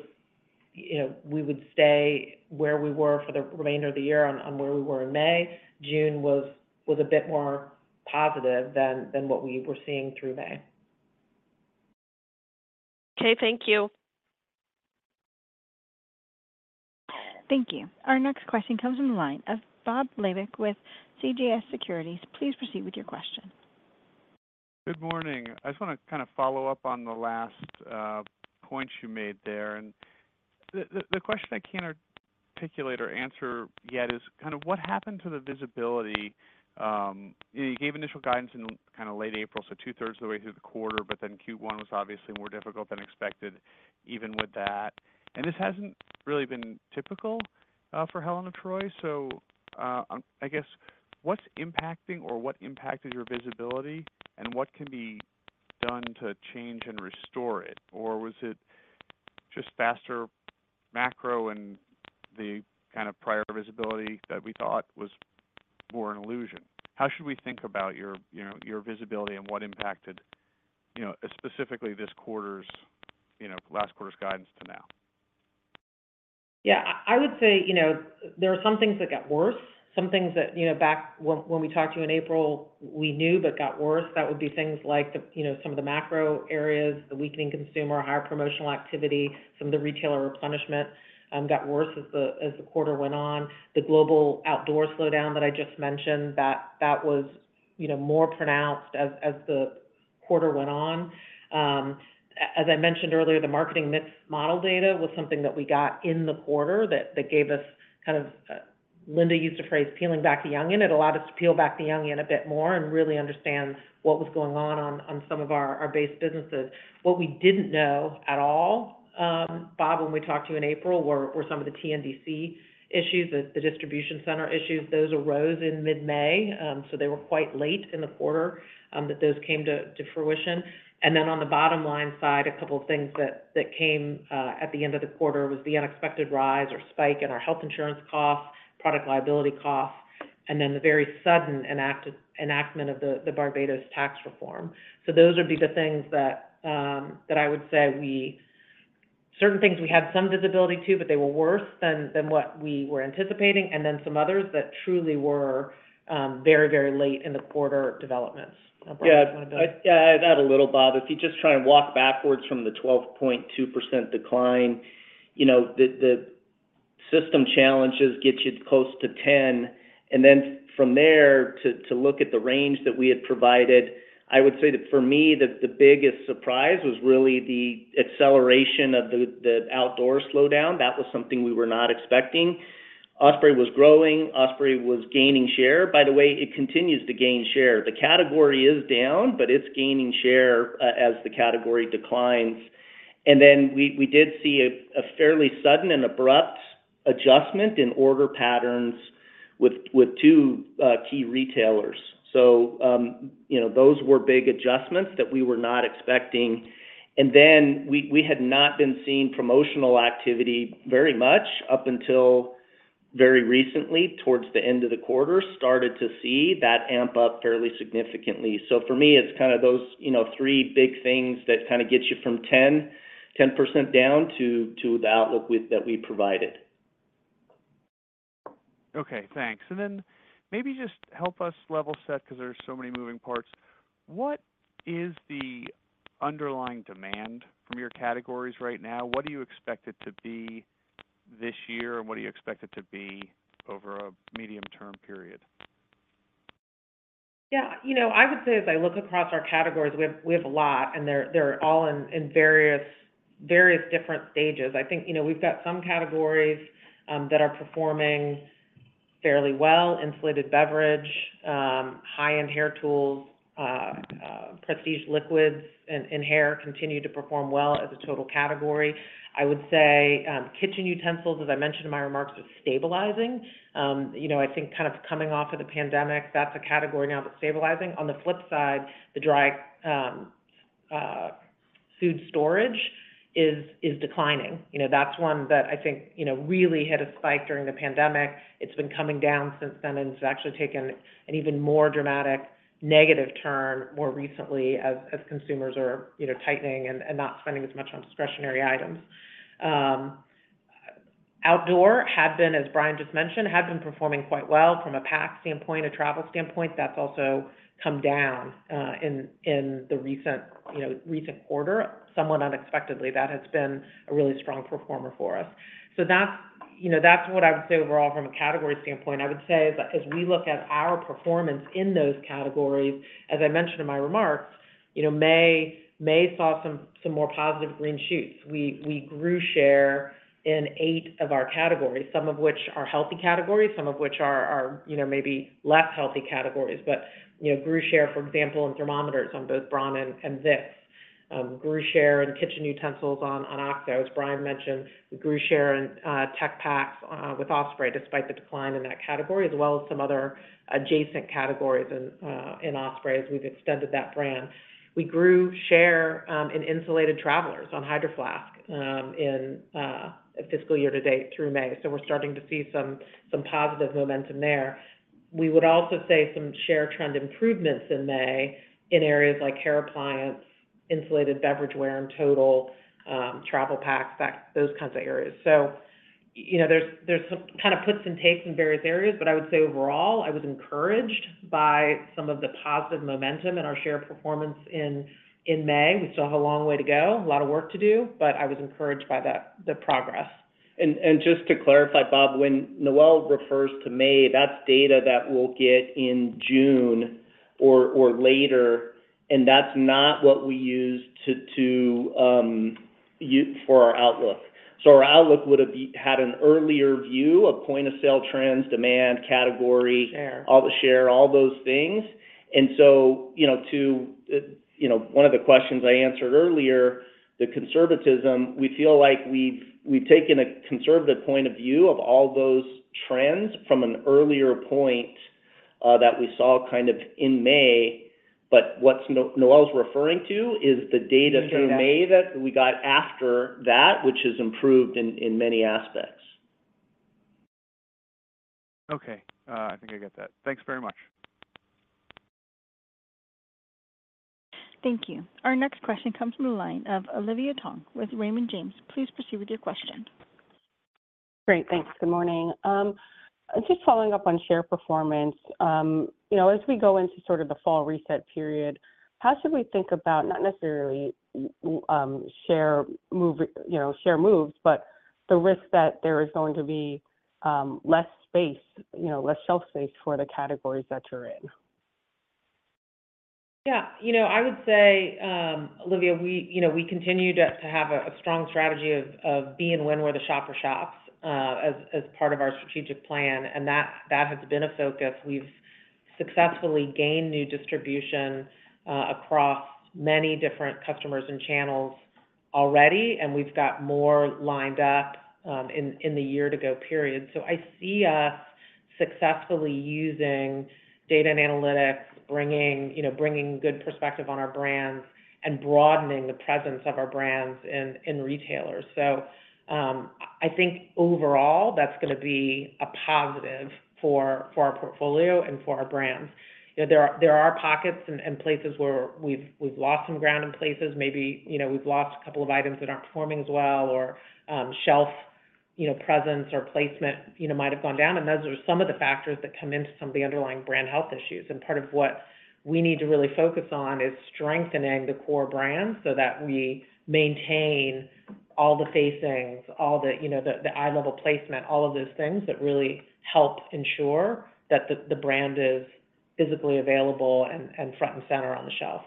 you know, we would stay where we were for the remainder of the year on where we were in May. June was a bit more positive than what we were seeing through May. Okay, thank you. Thank you. Our next question comes from the line of Bob Labick with CJS Securities. Please proceed with your question. Good morning. I just wanna kind of follow up on the last point you made there. And the question I can't articulate or answer yet is kind of what happened to the visibility? You gave initial guidance in kind of late April, so two-thirds of the way through the quarter, but then Q1 was obviously more difficult than expected, even with that. And this hasn't really been typical for Helen of Troy. So, I'm—I guess, what's impacting or what impacted your visibility, and what can be done to change and restore it? Or was it just faster macro and the kind of prior visibility that we thought was more an illusion? How should we think about your, you know, your visibility and what impacted, you know, specifically this quarter's, you know, last quarter's guidance to now? Yeah, I would say, you know, there are some things that got worse, some things that, you know, back when we talked to you in April, we knew but got worse. That would be things like the, you know, some of the macro areas, the weakening consumer, higher promotional activity, some of the retailer replenishment got worse as the quarter went on. The global outdoor slowdown that I just mentioned, that was, you know, more pronounced as the quarter went on. As I mentioned earlier, the marketing mix model data was something that we got in the quarter that gave us kind of... Linda used the phrase, "Peeling back the onion." It allowed us to peel back the onion a bit more and really understand what was going on on some of our base businesses. What we didn't know at all, Bob, when we talked to you in April, were some of the TNDC issues, the distribution center issues. Those arose in mid-May, so they were quite late in the quarter, that those came to fruition. And then on the bottom line side, a couple of things that came at the end of the quarter was the unexpected rise or spike in our health insurance costs, product liability costs, and then the very sudden enactment of the Barbados tax reform. So those would be the things that I would say we—certain things we had some visibility to, but they were worse than what we were anticipating, and then some others that truly were very, very late in the quarter developments. Brian, you want to build? Yeah. I'd add a little, Bob. If you just try and walk backwards from the 12.2% decline, you know, the system challenges get you close to 10, and then from there, to look at the range that we had provided, I would say that for me, the biggest surprise was really the acceleration of the outdoor slowdown. That was something we were not expecting. Osprey was growing, Osprey was gaining share. By the way, it continues to gain share. The category is down, but it's gaining share as the category declines. And then we did see a fairly sudden and abrupt adjustment in order patterns with 2 key retailers. So, you know, those were big adjustments that we were not expecting. And then we had not been seeing promotional activity very much up until very recently. Towards the end of the quarter, started to see that amp up fairly significantly. So for me, it's kind of those, you know, three big things that kind of get you from 10% down to the outlook with that we provided. Okay, thanks. And then maybe just help us level set because there are so many moving parts. What is the underlying demand from your categories right now? What do you expect it to be this year, and what do you expect it to be over a medium-term period? Yeah, you know, I would say as I look across our categories, we have, we have a lot, and they're, they're all in, in various, various different stages. I think, you know, we've got some categories that are performing fairly well: insulated beverage, high-end hair tools, prestige liquids in, in hair continue to perform well as a total category. I would say, kitchen utensils, as I mentioned in my remarks, is stabilizing. You know, I think kind of coming off of the pandemic, that's a category now that's stabilizing. On the flip side, the dry food storage is, is declining. You know, that's one that I think, you know, really hit a spike during the pandemic. It's been coming down since then, and it's actually taken an even more dramatic negative turn more recently as consumers are, you know, tightening and not spending as much on discretionary items. Outdoor had been, as Brian just mentioned, performing quite well from a pack standpoint, a travel standpoint. That's also come down in the recent quarter, somewhat unexpectedly. That has been a really strong performer for us. So that's what I would say overall from a category standpoint. I would say as we look at our performance in those categories, as I mentioned in my remarks, you know, May saw some more positive green shoots. We grew share in eight of our categories, some of which are healthy categories, some of which are, you know, maybe less healthy categories. But, you know, grew share, for example, in thermometers on both Braun and Vicks. Grew share in kitchen utensils on OXO. As Brian mentioned, we grew share in tech packs with Osprey, despite the decline in that category, as well as some other adjacent categories in Osprey, as we've extended that brand. We grew share in insulated travelers on Hydro Flask in fiscal year to date through May. So we're starting to see some positive momentum there. We would also say some share trend improvements in May in areas like hair appliance, insulated beverageware in total, travel packs, back, those kinds of areas. So you know, there's some kind of puts and takes in various areas, but I would say overall, I was encouraged by some of the positive momentum in our share performance in May. We still have a long way to go, a lot of work to do, but I was encouraged by that, the progress. And just to clarify, Bob, when Noel refers to May, that's data that we'll get in June or later, and that's not what we use for our outlook. So our outlook would have had an earlier view of point of sale trends, demand, category- Share. All the share, all those things. And so, you know, to you know, one of the questions I answered earlier, the conservatism, we feel like we've taken a conservative point of view of all those trends from an earlier point that we saw kind of in May, but what's Noel's referring to is the data through May that we got after that, which has improved in many aspects. Okay. I think I get that. Thanks very much. Thank you. Our next question comes from the line of Olivia Tong with Raymond James. Please proceed with your question. Great. Thanks. Good morning. Just following up on share performance, you know, as we go into sort of the fall reset period, how should we think about, not necessarily share move, you know, share moves, but the risk that there is going to be, less space, you know, less shelf space for the categories that you're in? Yeah. You know, I would say, Olivia, we, you know, we continue to have a strong strategy of being where the shopper shops, as part of our strategic plan, and that has been a focus. We've successfully gained new distribution across many different customers and channels already, and we've got more lined up in the year-to-go period. So I see us successfully using data and analytics, bringing, you know, good perspective on our brands and broadening the presence of our brands in retailers. So, I think overall, that's gonna be a positive for our portfolio and for our brands. You know, there are pockets and places where we've lost some ground in places. Maybe, you know, we've lost a couple of items that aren't performing as well or shelf, you know, presence or placement, you know, might have gone down, and those are some of the factors that come into some of the underlying brand health issues. Part of what we need to really focus on is strengthening the core brands so that we maintain all the facings, all the, you know, the eye level placement, all of those things that really help ensure that the brand is physically available and front and center on the shelf.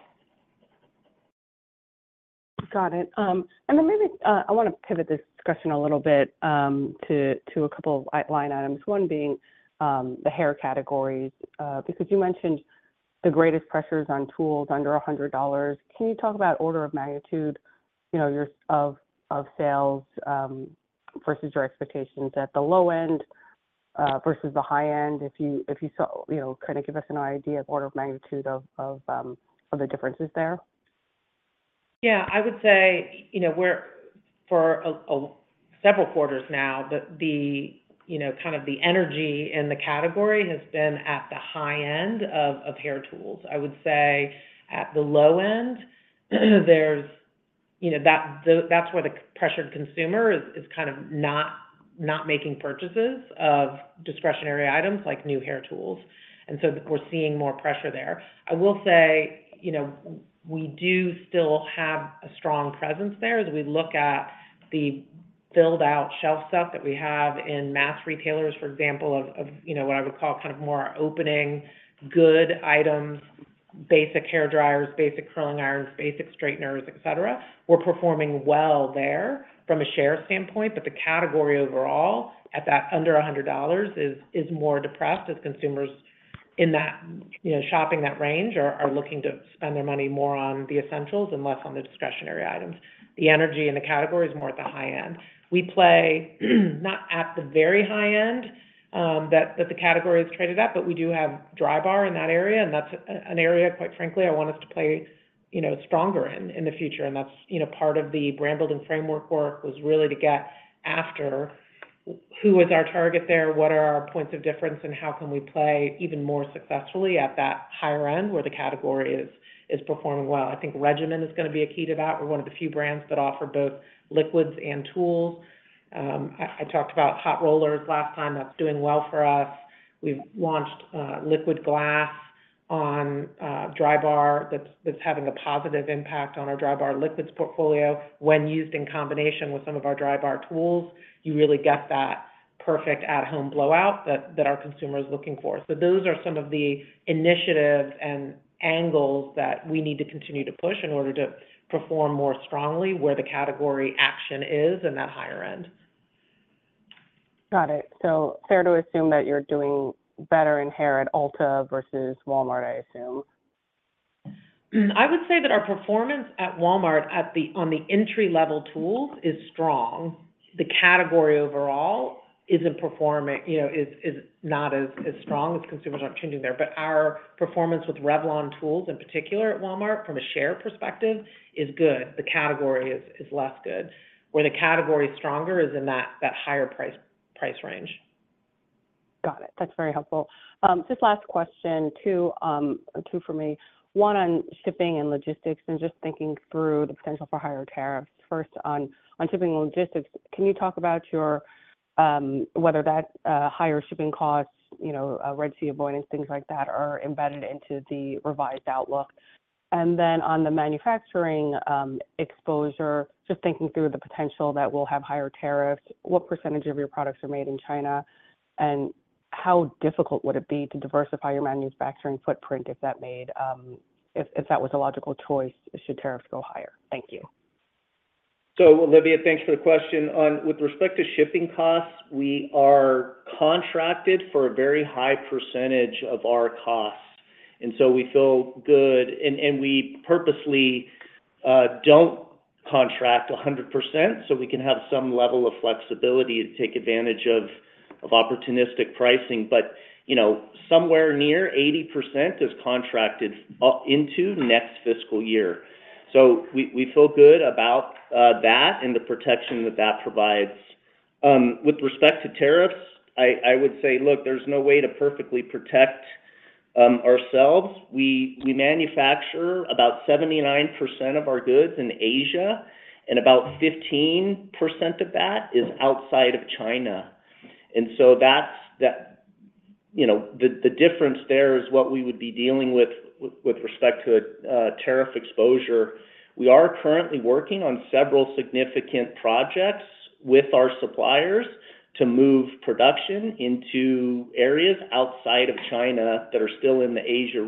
Got it. And then maybe I want to pivot this discussion a little bit to a couple of line items, one being the hair categories, because you mentioned the greatest pressures on tools under $100. Can you talk about order of magnitude, you know, of sales versus your expectations at the low end versus the high end? If you saw, you know, kind of give us an idea of order of magnitude of the differences there? Yeah. I would say, you know, we're for several quarters now, the, you know, kind of the energy in the category has been at the high end of hair tools. I would say at the low end, there's, you know, that's where the pressured consumer is kind of not making purchases of discretionary items like new hair tools, and so we're seeing more pressure there. I will say, you know, we do still have a strong presence there as we look at the build out shelf stuff that we have in mass retailers, for example, of, you know, what I would call kind of more opening, good items, basic hairdryers, basic curling irons, basic straighteners, et cetera. We're performing well there from a share standpoint, but the category overall at that under $100 is more depressed as consumers in that, you know, shopping that range are looking to spend their money more on the essentials and less on the discretionary items. The energy in the category is more at the high end. We play, not at the very high end that the category is traded at, but we do have Drybar in that area, and that's an area, quite frankly, I want us to play, you know, stronger in the future. And that's, you know, part of the brand building framework work was really to get after who is our target there, what are our points of difference, and how can we play even more successfully at that higher end where the category is performing well? I think regimen is gonna be a key to that. We're one of the few brands that offer both liquids and tools. I talked about hot rollers last time. That's doing well for us. We've launched Liquid Glass on Drybar that's having a positive impact on our Drybar liquids portfolio. When used in combination with some of our Drybar tools, you really get that perfect at-home blowout that our consumer is looking for. So those are some of the initiatives and angles that we need to continue to push in order to perform more strongly where the category action is in that higher end. Got it. So fair to assume that you're doing better in hair at Ulta versus Walmart, I assume? I would say that our performance at Walmart on the entry-level tools is strong. The category overall isn't performing, you know, is not as strong as consumers aren't changing there. But our performance with Revlon tools, in particular at Walmart from a share perspective, is good. The category is less good. Where the category is stronger is in that higher price range. Got it. That's very helpful. Just last question, two for me. One on shipping and logistics, and just thinking through the potential for higher tariffs. First, on shipping and logistics, can you talk about your, whether that, higher shipping costs, you know, Red Sea avoidance, things like that, are embedded into the revised outlook? And then on the manufacturing exposure, just thinking through the potential that we'll have higher tariffs, what percentage of your products are made in China? And how difficult would it be to diversify your manufacturing footprint if that made, if that was a logical choice, should tariffs go higher? Thank you. So, Olivia, thanks for the question. With respect to shipping costs, we are contracted for a very high percentage of our costs, and so we feel good. And we purposely don't contract 100%, so we can have some level of flexibility to take advantage of opportunistic pricing. But, you know, somewhere near 80% is contracted up into next fiscal year. So we feel good about that and the protection that that provides. With respect to tariffs, I would say, look, there's no way to perfectly protect ourselves. We manufacture about 79% of our goods in Asia, and about 15% of that is outside of China. And so that's the difference there is what we would be dealing with respect to tariff exposure. We are currently working on several significant projects with our suppliers to move production into areas outside of China that are still in the Asia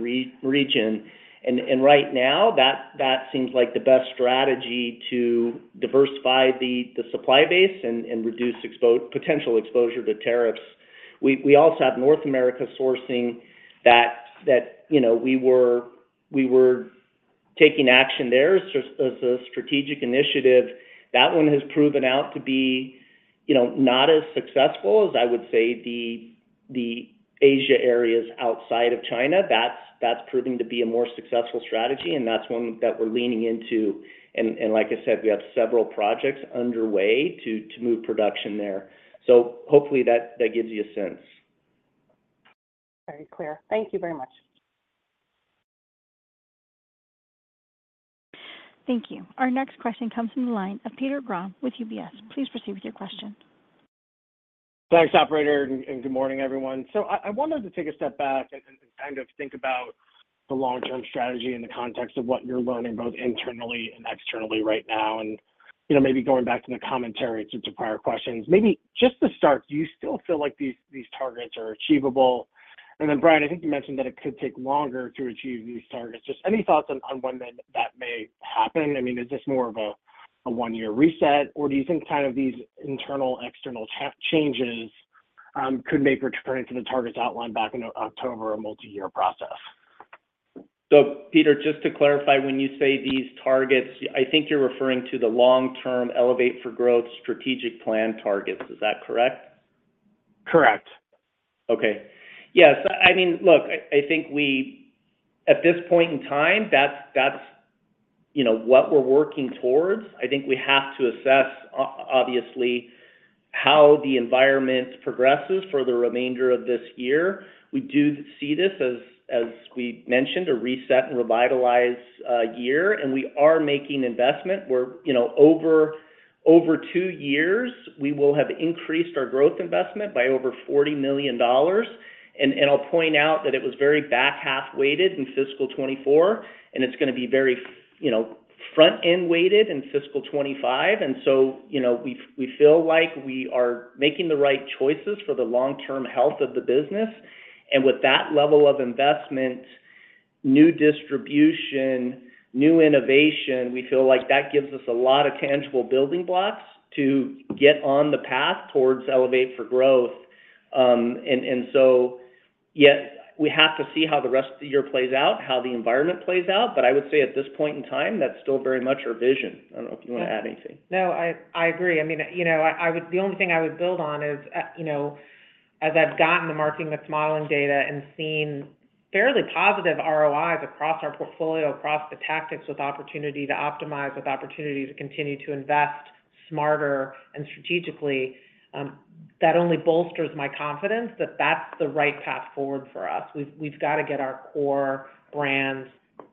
region. And right now, that seems like the best strategy to diversify the supply base and reduce potential exposure to tariffs. We also have North America sourcing that you know we were taking action there as a strategic initiative. That one has proven out to be you know not as successful as I would say the Asia areas outside of China. That's proving to be a more successful strategy, and that's one that we're leaning into. And like I said, we have several projects underway to move production there. So hopefully that gives you a sense. Very clear. Thank you very much. Thank you. Our next question comes from the line of Peter Grom with UBS. Please proceed with your question. Thanks, operator, and good morning, everyone. So I wanted to take a step back and kind of think about the long-term strategy in the context of what you're learning, both internally and externally right now. And, you know, maybe going back to the commentary to some prior questions. Maybe just to start, do you still feel like these targets are achievable? And then, Brian, I think you mentioned that it could take longer to achieve these targets. Just any thoughts on when that may happen? I mean, is this more of a one-year reset, or do you think kind of these internal, external changes could make returning to the targets outlined back in October, a multi-year process? So Peter, just to clarify, when you say these targets, I think you're referring to the long-term Elevate for Growth strategic plan targets. Is that correct? Correct. Okay. Yes, I mean, look, I think we... At this point in time, that's, you know, what we're working towards. I think we have to assess obviously, how the environment progresses for the remainder of this year. We do see this as, as we mentioned, a reset and revitalize year, and we are making investment. We're, you know, over two years, we will have increased our growth investment by over $40 million. And I'll point out that it was very back-half weighted in fiscal 2024, and it's gonna be very, you know, front-end weighted in fiscal 2025. And so, you know, we feel like we are making the right choices for the long-term health of the business. And with that level of investment, new distribution, new innovation, we feel like that gives us a lot of tangible building blocks to get on the path towards Elevate for Growth. And so, yes, we have to see how the rest of the year plays out, how the environment plays out, but I would say at this point in time, that's still very much our vision. I don't know if you want to add anything. No, I agree. I mean, you know, I would. The only thing I would build on is, you know, as I've gotten the Marketing mix modeling data and seen fairly positive ROIs across our portfolio, across the tactics with opportunity to optimize, with opportunity to continue to invest smarter and strategically, that only bolsters my confidence that that's the right path forward for us. We've got to get our core brands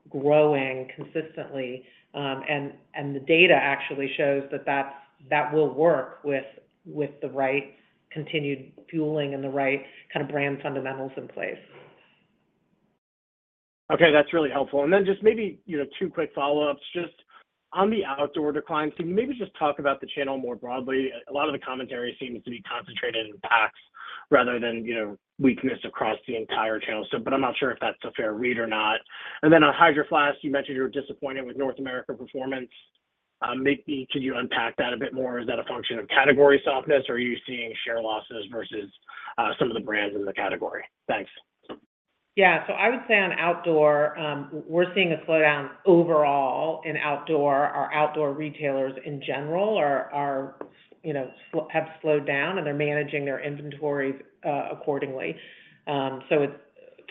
growing consistently, and the data actually shows that that will work with the right continued fueling and the right kind of brand fundamentals in place. Okay, that's really helpful. And then just maybe, you know, two quick follow-ups. Just on the outdoor decline, so maybe just talk about the channel more broadly. A lot of the commentary seems to be concentrated in packs rather than, you know, weakness across the entire channel. So, but I'm not sure if that's a fair read or not. And then on Hydro Flask, you mentioned you were disappointed with North America performance. Maybe could you unpack that a bit more? Is that a function of category softness, or are you seeing share losses versus some of the brands in the category? Thanks. Yeah. So I would say on outdoor, we're seeing a slowdown overall in outdoor. Our outdoor retailers in general are, you know, have slowed down, and they're managing their inventories accordingly. So it's,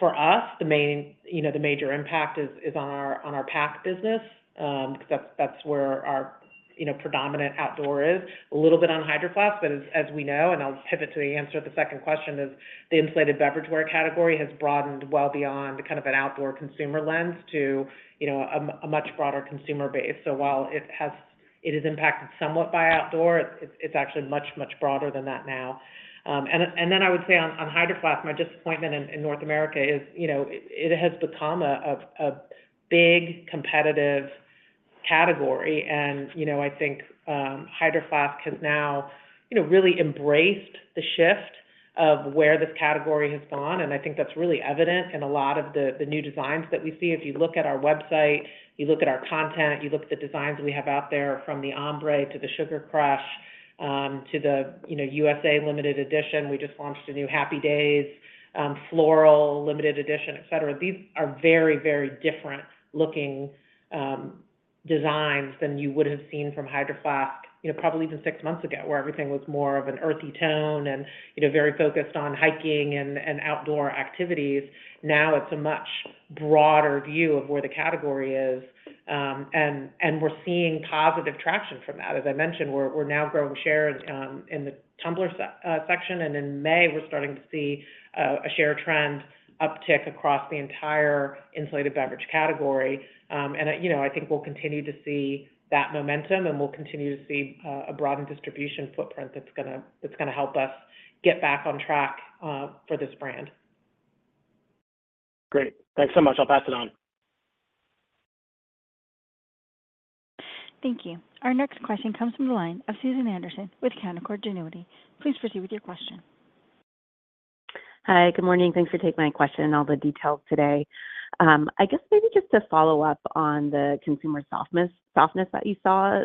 for us, the main, you know, the major impact is on our, on our pack business, because that's where our, you know, predominant outdoor is. A little bit on Hydro Flask, but as we know, and I'll pivot to the answer to the second question, is the insulated beverageware category has broadened well beyond kind of an outdoor consumer lens to, you know, a much broader consumer base. So while it is impacted somewhat by outdoor, it's actually much, much broader than that now. And then I would say on Hydro Flask, my disappointment in North America is, you know, it has become a big competitive category. And, you know, I think Hydro Flask has now, you know, really embraced the shift of where this category has gone, and I think that's really evident in a lot of the new designs that we see. If you look at our website, you look at our content, you look at the designs we have out there, from the Ombré to the Sugar Crush to the, you know, USA limited edition. We just launched a new Happy Days floral limited edition, et cetera. These are very, very different looking designs than you would have seen from Hydro Flask, you know, probably even six months ago, where everything was more of an earthy tone and, you know, very focused on hiking and outdoor activities. Now it's a much broader view of where the category is, and we're seeing positive traction from that. As I mentioned, we're now growing shares in the tumbler section, and in May, we're starting to see a share trend uptick across the entire insulated beverage category. And, you know, I think we'll continue to see that momentum, and we'll continue to see a broadened distribution footprint that's gonna help us get back on track for this brand. Great. Thanks so much. I'll pass it on. Thank you. Our next question comes from the line of Susan Anderson with Canaccord Genuity. Please proceed with your question. Hi, good morning. Thanks for taking my question and all the details today. I guess maybe just to follow up on the consumer softness, softness that you saw,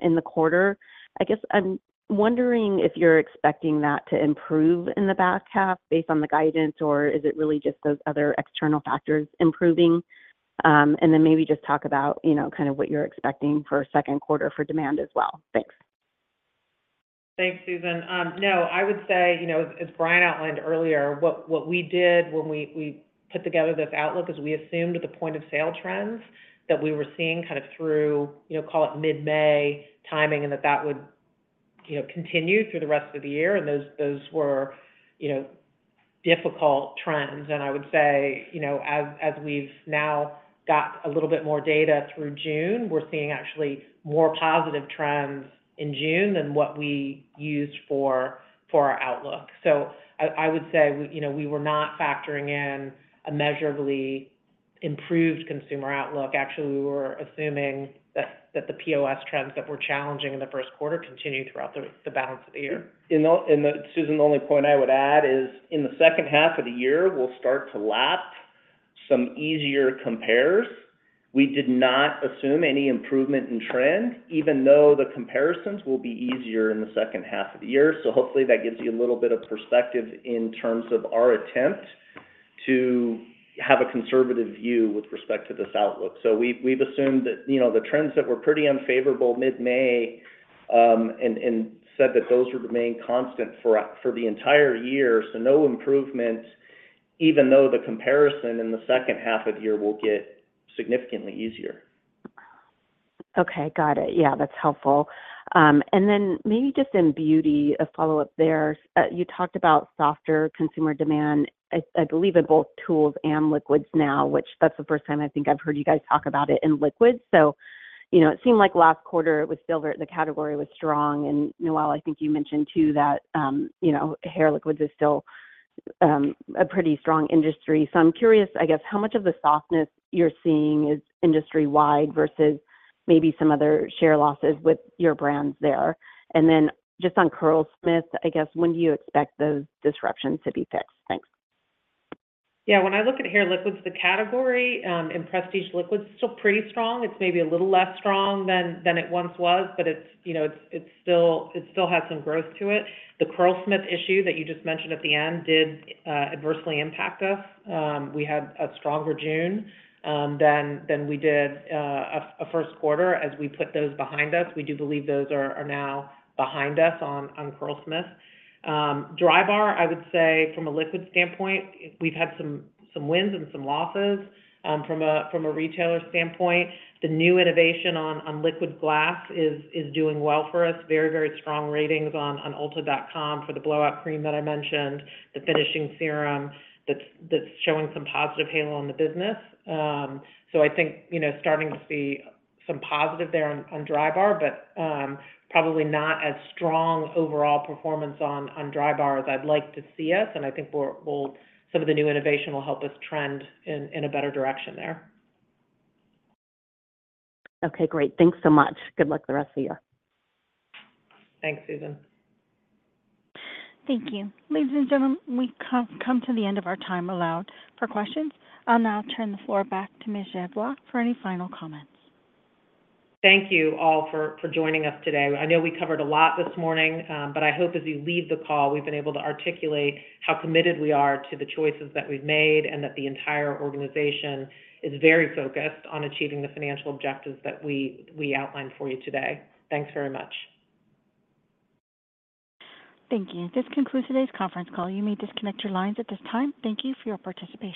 in the quarter. I guess I'm wondering if you're expecting that to improve in the back half based on the guidance, or is it really just those other external factors improving? And then maybe just talk about, you know, kind of what you're expecting for second quarter for demand as well. Thanks. Thanks, Susan. No, I would say, you know, as Brian outlined earlier, what we did when we put together this outlook is we assumed the point of sale trends that we were seeing kind of through, you know, call it mid-May timing, and that would, you know, continue through the rest of the year, and those were, you know, difficult trends. I would say, you know, as we've now got a little bit more data through June, we're seeing actually more positive trends in June than what we used for our outlook. I would say, you know, we were not factoring in a measurably improved consumer outlook. Actually, we were assuming that the POS trends that were challenging in the first quarter continued throughout the balance of the year. Susan, the only point I would add is in the second half of the year, we'll start to lap some easier compares. We did not assume any improvement in trend, even though the comparisons will be easier in the second half of the year. So hopefully that gives you a little bit of perspective in terms of our attempt to have a conservative view with respect to this outlook. So we've assumed that, you know, the trends that were pretty unfavorable mid-May, and said that those would remain constant for the entire year. So no improvements, even though the comparison in the second half of the year will get significantly easier. Okay, got it. Yeah, that's helpful. And then maybe just in beauty, a follow-up there. You talked about softer consumer demand, I believe in both tools and liquids now, which that's the first time I think I've heard you guys talk about it in liquids. So, you know, it seemed like last quarter, it was still very—the category was strong, and Noel, I think you mentioned, too, that, you know, hair liquids is still a pretty strong industry. So I'm curious, I guess, how much of the softness you're seeing is industry-wide versus maybe some other share losses with your brands there? And then just on Curlsmith, I guess, when do you expect those disruptions to be fixed? Thanks. Yeah, when I look at hair liquids, the category, in prestige liquids is still pretty strong. It's maybe a little less strong than it once was, but it's, you know, it's still, it still has some growth to it. The Curlsmith issue that you just mentioned at the end did adversely impact us. We had a stronger June than we did a first quarter as we put those behind us. We do believe those are now behind us on Curlsmith. Drybar, I would say from a liquid standpoint, we've had some wins and some losses. From a retailer standpoint, the new innovation on liquid glass is doing well for us. Very, very strong ratings on Ulta.com for the blowout cream that I mentioned, the finishing serum that's showing some positive halo on the business. So I think, you know, starting to see some positive there on Drybar, but probably not as strong overall performance on Drybar as I'd like to see us, and I think some of the new innovation will help us trend in a better direction there. Okay, great. Thanks so much. Good luck the rest of the year. Thanks, Susan. Thank you. Ladies and gentlemen, we've come to the end of our time allowed for questions. I'll now turn the floor back to Ms. Geoffroy for any final comments. Thank you all for joining us today. I know we covered a lot this morning, but I hope as you leave the call, we've been able to articulate how committed we are to the choices that we've made, and that the entire organization is very focused on achieving the financial objectives that we outlined for you today. Thanks very much. Thank you. This concludes today's conference call. You may disconnect your lines at this time. Thank you for your participation.